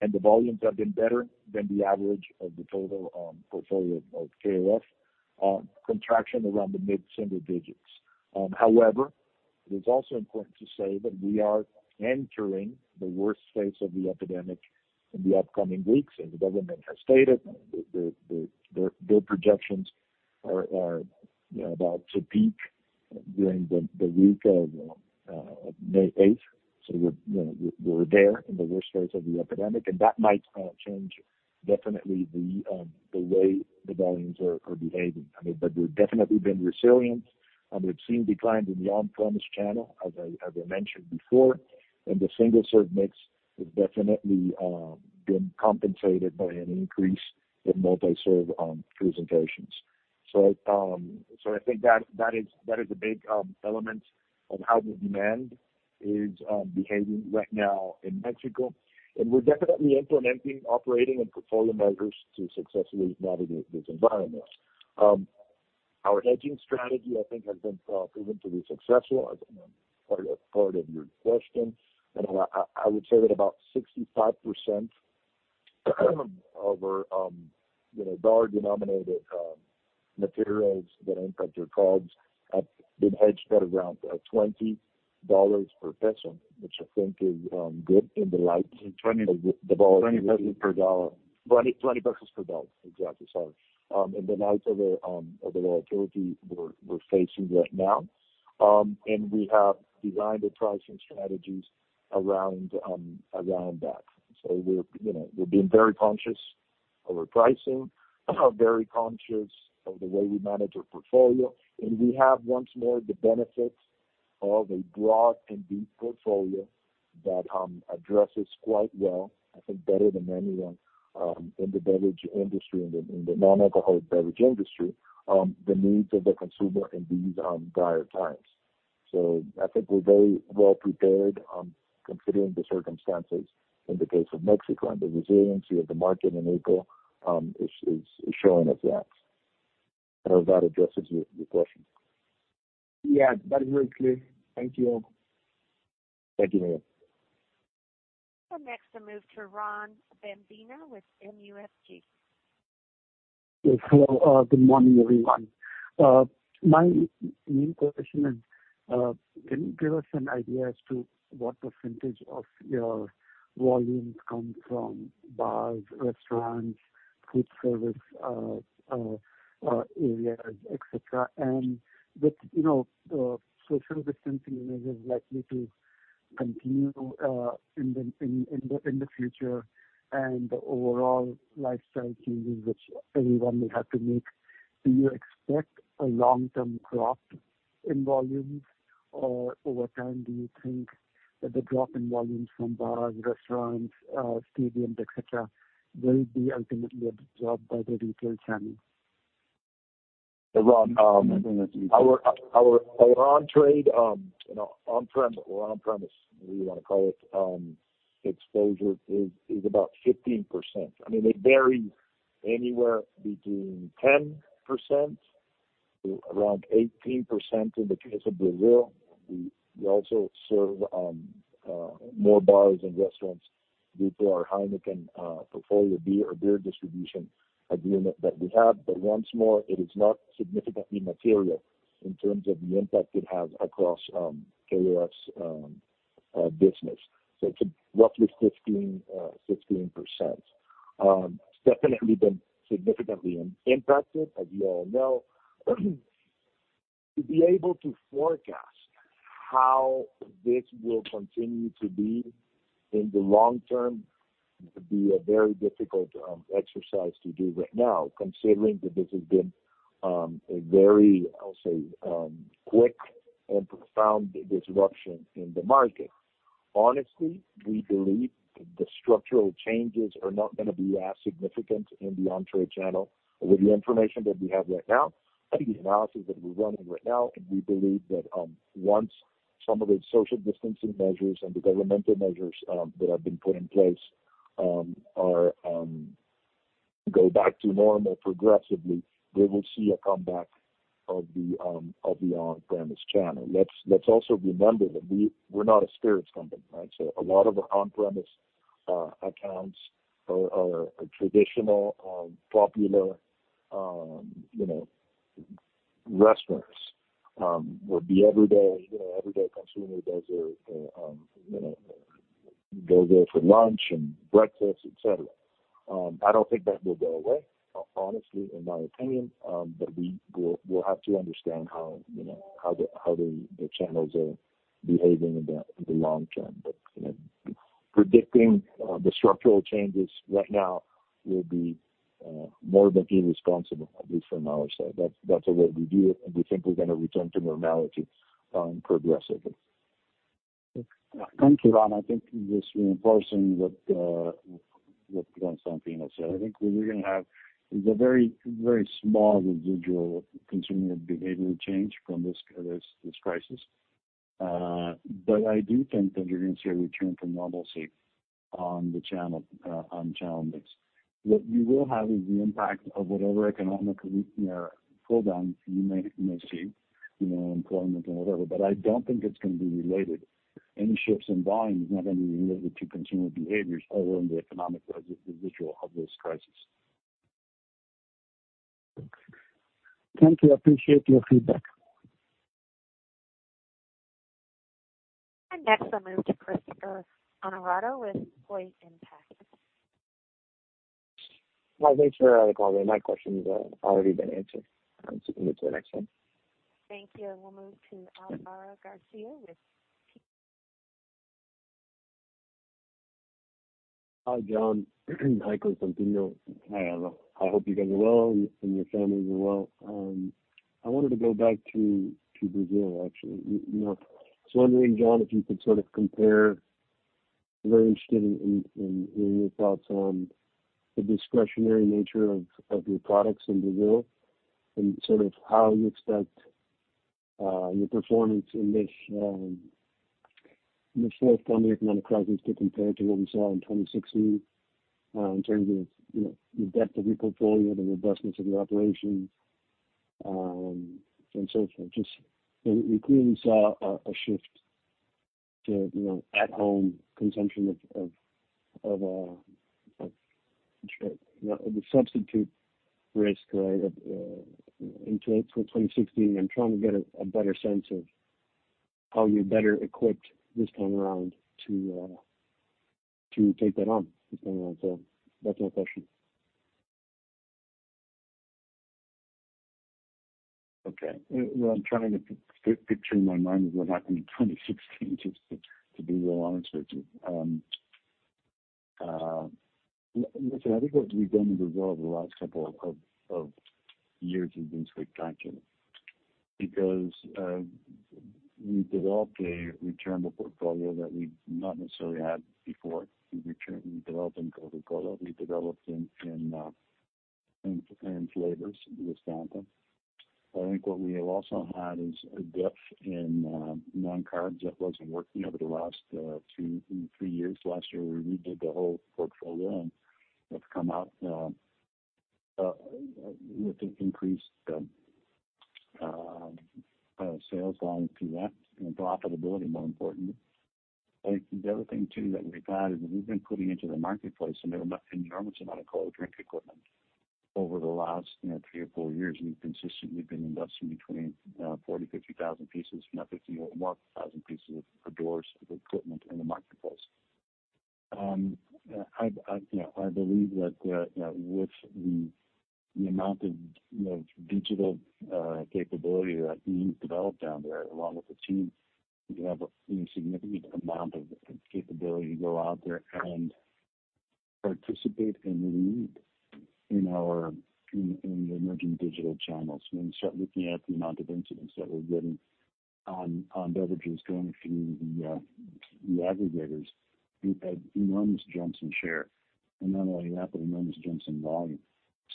and the volumes have been better than the average of the total portfolio of KOF, contraction around the mid single digits. However, it is also important to say that we are entering the worst phase of the epidemic in the upcoming weeks, and the government has stated their projections are, you know, about to peak during the week of May 8. So we're, you know, we're there in the worst case of the epidemic, and that might change definitely the way the volumes are behaving. I mean, but we've definitely been resilient, and we've seen declines in the on-premise channel, as I mentioned before, and the single-serve mix has definitely been compensated by an increase in multi-serve presentations. So I think that is a big element of how the demand is behaving right now in Mexico. And we're definitely implementing operating and portfolio measures to successfully navigate this environment. Our hedging strategy, I think, has been proven to be successful, as part of your question. And I would say that about 65% of our, you know, dollar-denominated, materials that impact our COGS have been hedged at around $20 per peso, which I think is good.\ 20 per dollar. 20 per dollar. Exactly, sorry. In the light of the volatility we're facing right now. And we have designed the pricing strategies around that. So we're, you know, we're being very conscious of our pricing, very conscious of the way we manage our portfolio, and we have, once more, the benefits of a broad and deep portfolio that addresses quite well, I think, better than anyone, in the beverage industry, in the non-alcoholic beverage industry, the needs of the consumer in these dire times. So I think we're very well prepared, considering the circumstances in the case of Mexico, and the resiliency of the market in OpCo is showing us that. I hope that addresses your question. Yeah, that is very clear. Thank you. Thank you, Miguel. Next, I move to Ron Mandle with MUFG. Yes, hello, good morning, everyone. My main question is, can you give us an idea as to what percentage of your volumes come from bars, restaurants, food service, areas, et cetera? And with, you know, social distancing measures likely to continue, in the future and the overall lifestyle changes which everyone will have to make, do you expect a long-term drop in volumes? Or over time, do you think that the drop in volumes from bars, restaurants, stadiums, et cetera, will be ultimately absorbed by the retail channel? Hey, Ron, our on-trade, you know, on-prem or on-premise, however you want to call it, exposure is about 15%. I mean, it varies anywhere between 10% to around 18% in the case of Brazil. We also serve more bars and restaurants due to our Heineken portfolio beer or beer distribution agreement that we have. But once more, it is not significantly material in terms of the impact it has across KOF's business. So it's roughly 15%-16%. It's definitely been significantly impacted, as you all know. To be able to forecast how this will continue to be in the long term would be a very difficult exercise to do right now, considering that this has been a very, I'll say, quick and profound disruption in the market. Honestly, we believe the structural changes are not gonna be as significant in the on-trade channel. With the information that we have right now and the analysis that we're running right now, and we believe that, once some of the social distancing measures and the governmental measures that have been put in place go back to normal progressively, we will see a comeback of the on-premise channel. Let's also remember that we're not a spirits company, right? So a lot of our on-premise accounts are traditional, popular, you know, restaurants, where the everyday, you know, everyday consumer does their, you know, go there for lunch and breakfast, et cetera. I don't think that will go away, honestly, in my opinion, but we'll have to understand how, you know, how the channels are behaving in the long term. But, you know, predicting the structural changes right now will be more than irresponsible, at least from our side. That's, that's the way we view it, and we think we're gonna return to normality, progressively. Thank you, Ron. I think just reinforcing what John Santa Maria said. I think we're gonna have a very, very small residual consumer behavioral change from this crisis. But I do think that you're gonna see a return to normalcy on the channel, on channel mix. What you will have is the impact of whatever economic slowdown you may see, you know, employment and whatever, but I don't think it's gonna be related. Any shifts in volume is not gonna be related to consumer behaviors or the economic residual of this crisis. Thank you. I appreciate your feedback. And next, I'll move to Hi, thanks for the call. My question's already been answered, so you can move to the next one. Thank you. And we'll move to Álvaro García with... Hi, John. Hi, Constantino. Hi, I hope you guys are well and your families are well. I wanted to go back to Brazil, actually. You know, I was wondering, John, if you could sort of compare. Very interested in your thoughts on the discretionary nature of your products in Brazil, and sort of how you expect your performance in this fourth economic crisis to compare to what we saw in 20, in terms of, you know, the depth of your portfolio, the robustness of your operations. And so just, we clearly saw a shift to, you know, at home consumption of the substitutes risk, right, in 2016. I'm trying to get a better sense of how you're better equipped this time around to take that on, depending on. So that's my question. Okay. I'm trying to picture in my mind what happened in 2016, just to be real honest with you. Listen, I think what we've done in Brazil over the last couple of years has been quite frankly because we developed a returnable portfolio that we've not necessarily had before. We developed in Coca-Cola, we developed in flavors with Fanta. I think what we have also had is a depth in non-carbs that wasn't working over the last two, three years. Last year, we redid the whole portfolio and have come out with an increased sales volume through that, and profitability, more importantly. I think the other thing, too, that we've had is we've been putting into the marketplace an enormous amount of cold drink equipment. Over the last, you know, three or four years, we've consistently been investing between 40,000-50,000 pieces, you know, 51,000 pieces of doors of equipment in the marketplace. I believe that, you know, with the amount of, you know, digital capability that we've developed down there, along with the team, we have a significant amount of capability to go out there and participate and lead in our in the emerging digital channels. When you start looking at the amount of incidence that we're getting on beverages going through the aggregators, we've had enormous jumps in share, and not only that, but enormous jumps in volume.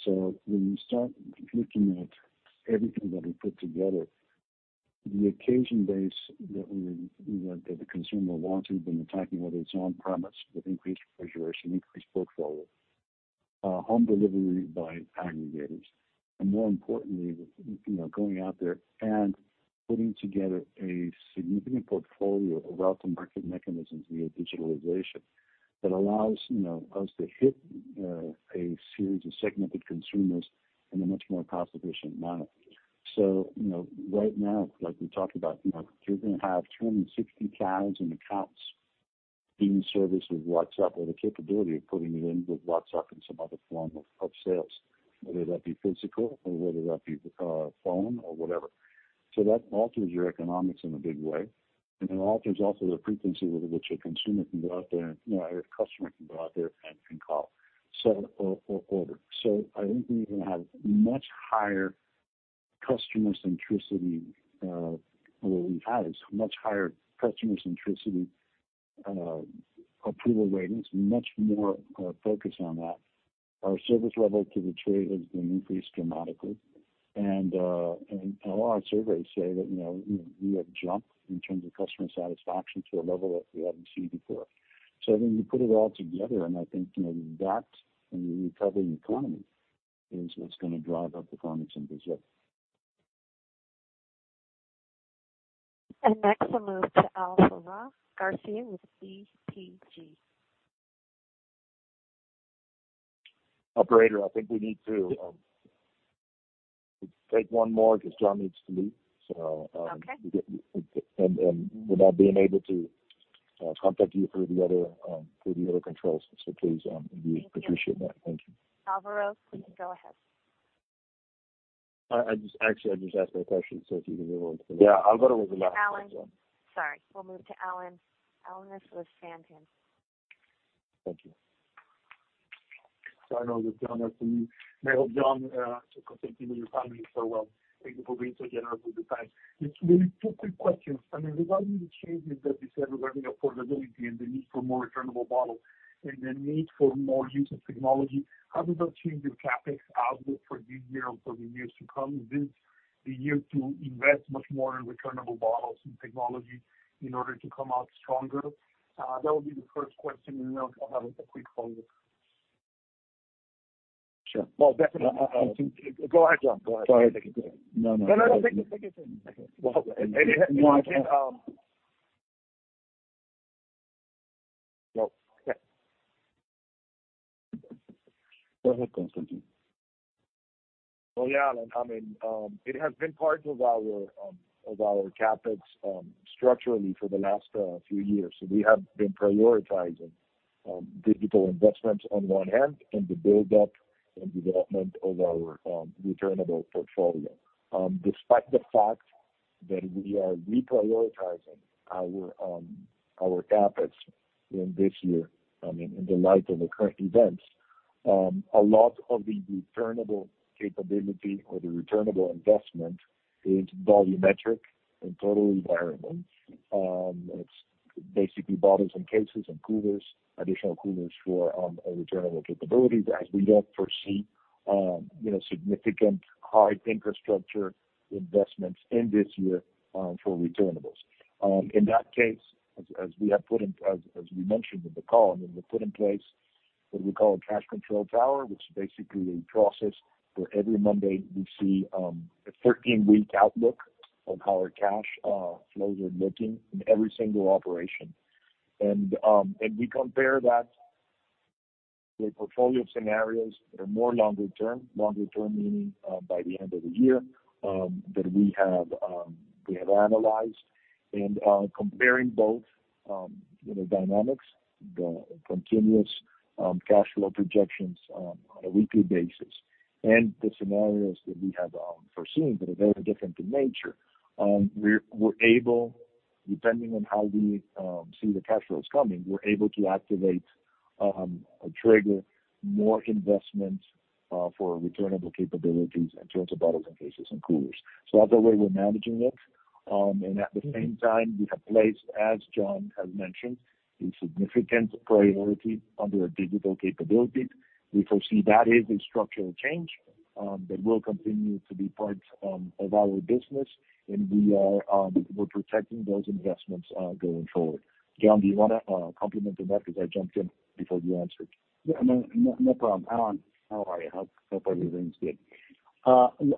So when you start looking at everything that we put together, the occasion-based that we that the consumer wants, we've been attacking, whether it's on-premise with increased refrigeration, increased portfolio, home delivery by aggregators, and more importantly, you know, going out there and putting together a significant portfolio of go-to-market mechanisms via digitalization, that allows, you know, us to hit, a series of segmented consumers in a much more cost-efficient manner. So, you know, right now, like we talked about, you know, you're gonna have 260,000 accounts being serviced with WhatsApp or the capability of putting it in with WhatsApp and some other form of sales, whether that be physical or whether that be, phone or whatever. So that alters your economics in a big way, and it alters also the frequency with which a consumer can go out there, you know, a customer can go out there and can call or order, so I think we're gonna have much higher customer centricity, well we've had much higher customer centricity approval ratings, much more focus on that. Our service level to the trade has been increased dramatically, and a lot of surveys say that, you know, we have jumped in terms of customer satisfaction to a level that we haven't seen before, so when you put it all together, and I think, you know, that and the recovering economy is what's gonna drive up economics in Brazil. Next, I'll move to Álvaro García with BTG. Operator, I think we need to take one more because John needs to leave. So- Okay. Without being able to contact you through the other controls. Please, we appreciate that. Thank you. Álvaro, please go ahead. Actually, I just asked my question, so if you can move on. Yeah, Álvaro was the last one. Alan. Sorry. We'll move to Alan. Alan Alanis with Santander. Thank you. I know that you, John, have to leave. I hope, John, you and your family do so well. Thank you for being so generous with your time. Just really two quick questions. I mean, regarding the changes that you said, regarding affordability and the need for more returnable bottles and the need for more use of technology, how does that change the CapEx outlook for this year or for the years to come? Is this the year to invest much more in returnable bottles and technology in order to come out stronger? That would be the first question, and then I'll have a quick follow-up. Sure. Well, definitely I think. Go ahead, John. Go ahead. Sorry. No, no. No, no, take your time. Yeah. Go ahead, Constantino. Oh, yeah, Alan, I mean, it has been part of our, of our CapEx, structurally for the last few years. So we have been prioritizing digital investments on one hand, and the build up and development of our returnable portfolio. Despite the fact that we are reprioritizing our CapEx in this year, I mean, in the light of the current events, a lot of the returnable capability or the returnable investment is volumetric and total environment. It's basically bottles and cases and coolers, additional coolers for a returnable capability, as we don't foresee you know, significant high infrastructure investments in this year for returnables. In that case, as we mentioned in the call, I mean, we put in place what we call a Cash Control Tower, which is basically a process where every Monday we see a thirteen-week outlook of how our cash flows are looking in every single operation. We compare that with portfolio scenarios that are more longer term, meaning by the end of the year that we have analyzed. Comparing both, you know, dynamics, the continuous cash flow projections on a weekly basis, and the scenarios that we have foreseen that are very different in nature. We're able, depending on how we see the cash flows coming, we're able to activate or trigger more investments for returnable capabilities in terms of bottles and cases and coolers. So that's the way we're managing it. And at the same time, we have placed, as John has mentioned, a significant priority on our digital capabilities. We foresee that is a structural change that will continue to be part of our business, and we're protecting those investments going forward. John, do you want to comment on that? Because I jumped in before you answered. Yeah, no problem. Alan, how are you? Hope everything's good.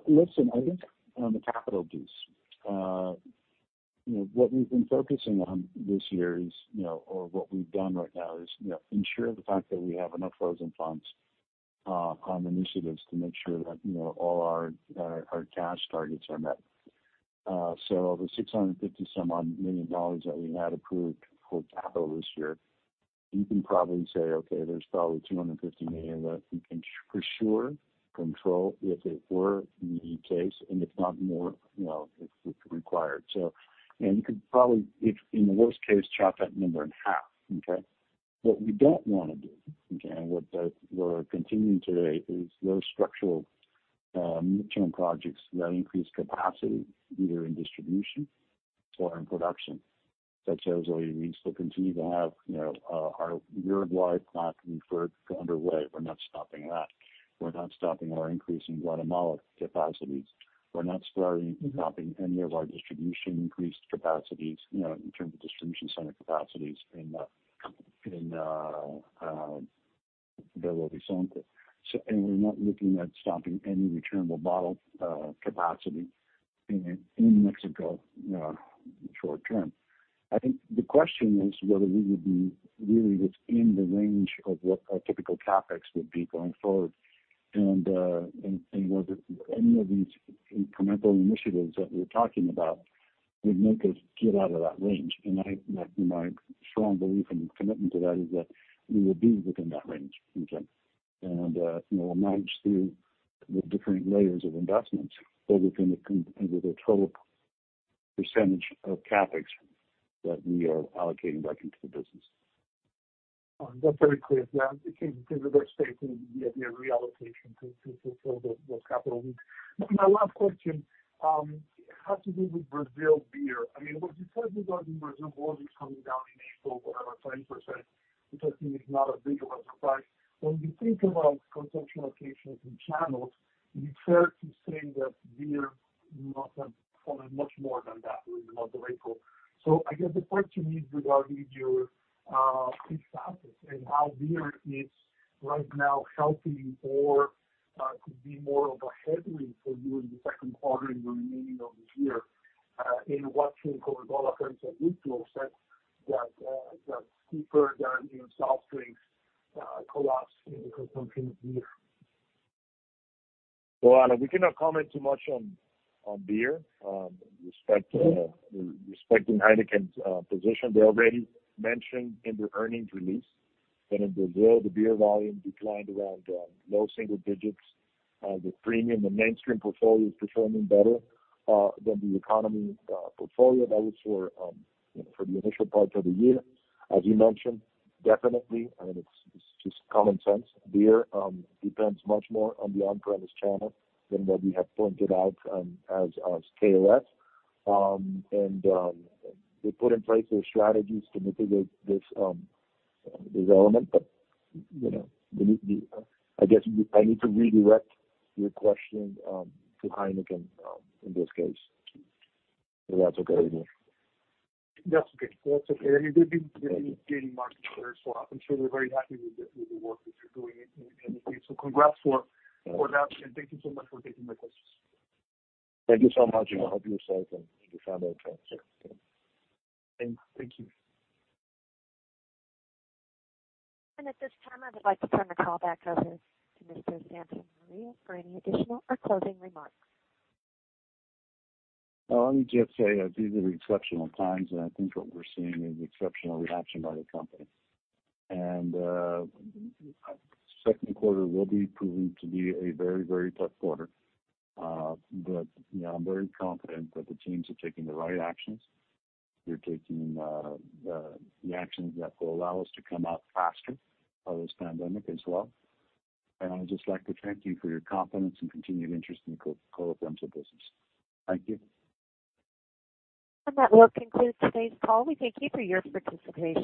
Listen, I think, on the capital piece, you know, what we've been focusing on this year is, you know, or what we've done right now is, you know, ensure the fact that we have enough frozen funds on initiatives to make sure that, you know, all our cash targets are met. So the $650 million or so that we had approved for capital this year, you can probably say, "Okay, there's probably $250 million that we can for sure control if it were the case, and if not more, you know, if required." You could probably, if in the worst case, chop that number in half, okay? What we don't want to do, okay, and what we're continuing today is those structural, midterm projects that increase capacity, either in distribution or in production. That shows that we still continue to have, you know, our Uruguay plant referred to underway. We're not stopping that. We're not stopping our increase in Guatemala capacities. We're not stopping any of our distribution increased capacities, you know, in terms of distribution center capacities in Belo Horizonte. So and we're not looking at stopping any returnable bottle capacity in Mexico short term. I think the question is whether we would be really within the range of what our typical CapEx would be going forward, and whether any of these incremental initiatives that we're talking about would make us get out of that range. My strong belief and commitment to that is that we will be within that range, okay? You know, we'll manage through the different layers of investments within the total percentage of CapEx that we are allocating back into the business. That's very clear John. Yeah, it seems a better space in the reallocation to for those capital. My last question has to do with Brazil beer. I mean, what you said about Brazil volumes coming down in April, whatever, 20%, which I think is not as big of a surprise. When you think about consumption locations and channels, is it fair to say that beer not have fallen much more than that in the month of April? So I guess the question is regarding your fixed assets and how beer is right now helping or could be more of a headwind for you in the second quarter and the remaining of the year, in watching Coca-Cola trends at retail, that that's deeper than, you know, soft drinks collapse in the consumption of beer. Well, we cannot comment too much on beer, respecting Heineken's position. They already mentioned in their earnings release that in Brazil, the beer volume declined around low single digits. The premium, the mainstream portfolio is performing better than the economy portfolio. That was for, you know, for the initial part of the year. As you mentioned, definitely, and it's just common sense. Beer depends much more on the on-premise channel than what we have pointed out as KOF. And they put in place their strategies to mitigate this element, but you know, we need the... I guess I need to redirect your question to Heineken in this case, if that's okay with you. That's okay. That's okay. And you've been gaining market share, so I'm sure they're very happy with the work that you're doing in this. So congrats for that, and thank you so much for taking my questions. Thank you so much, and I hope you're safe and your family are safe. Thank you. At this time, I would like to turn the call back over to Mr. Santa Maria for any additional or closing remarks. Let me just say, these are exceptional times, and I think what we're seeing is exceptional reaction by the company, and second quarter will be proven to be a very, very tough quarter, but you know, I'm very confident that the teams are taking the right actions. We're taking the actions that will allow us to come out faster of this pandemic as well, and I'd just like to thank you for your confidence and continued interest in Coca-Cola Brazil business. Thank you. That will conclude today's call. We thank you for your participation.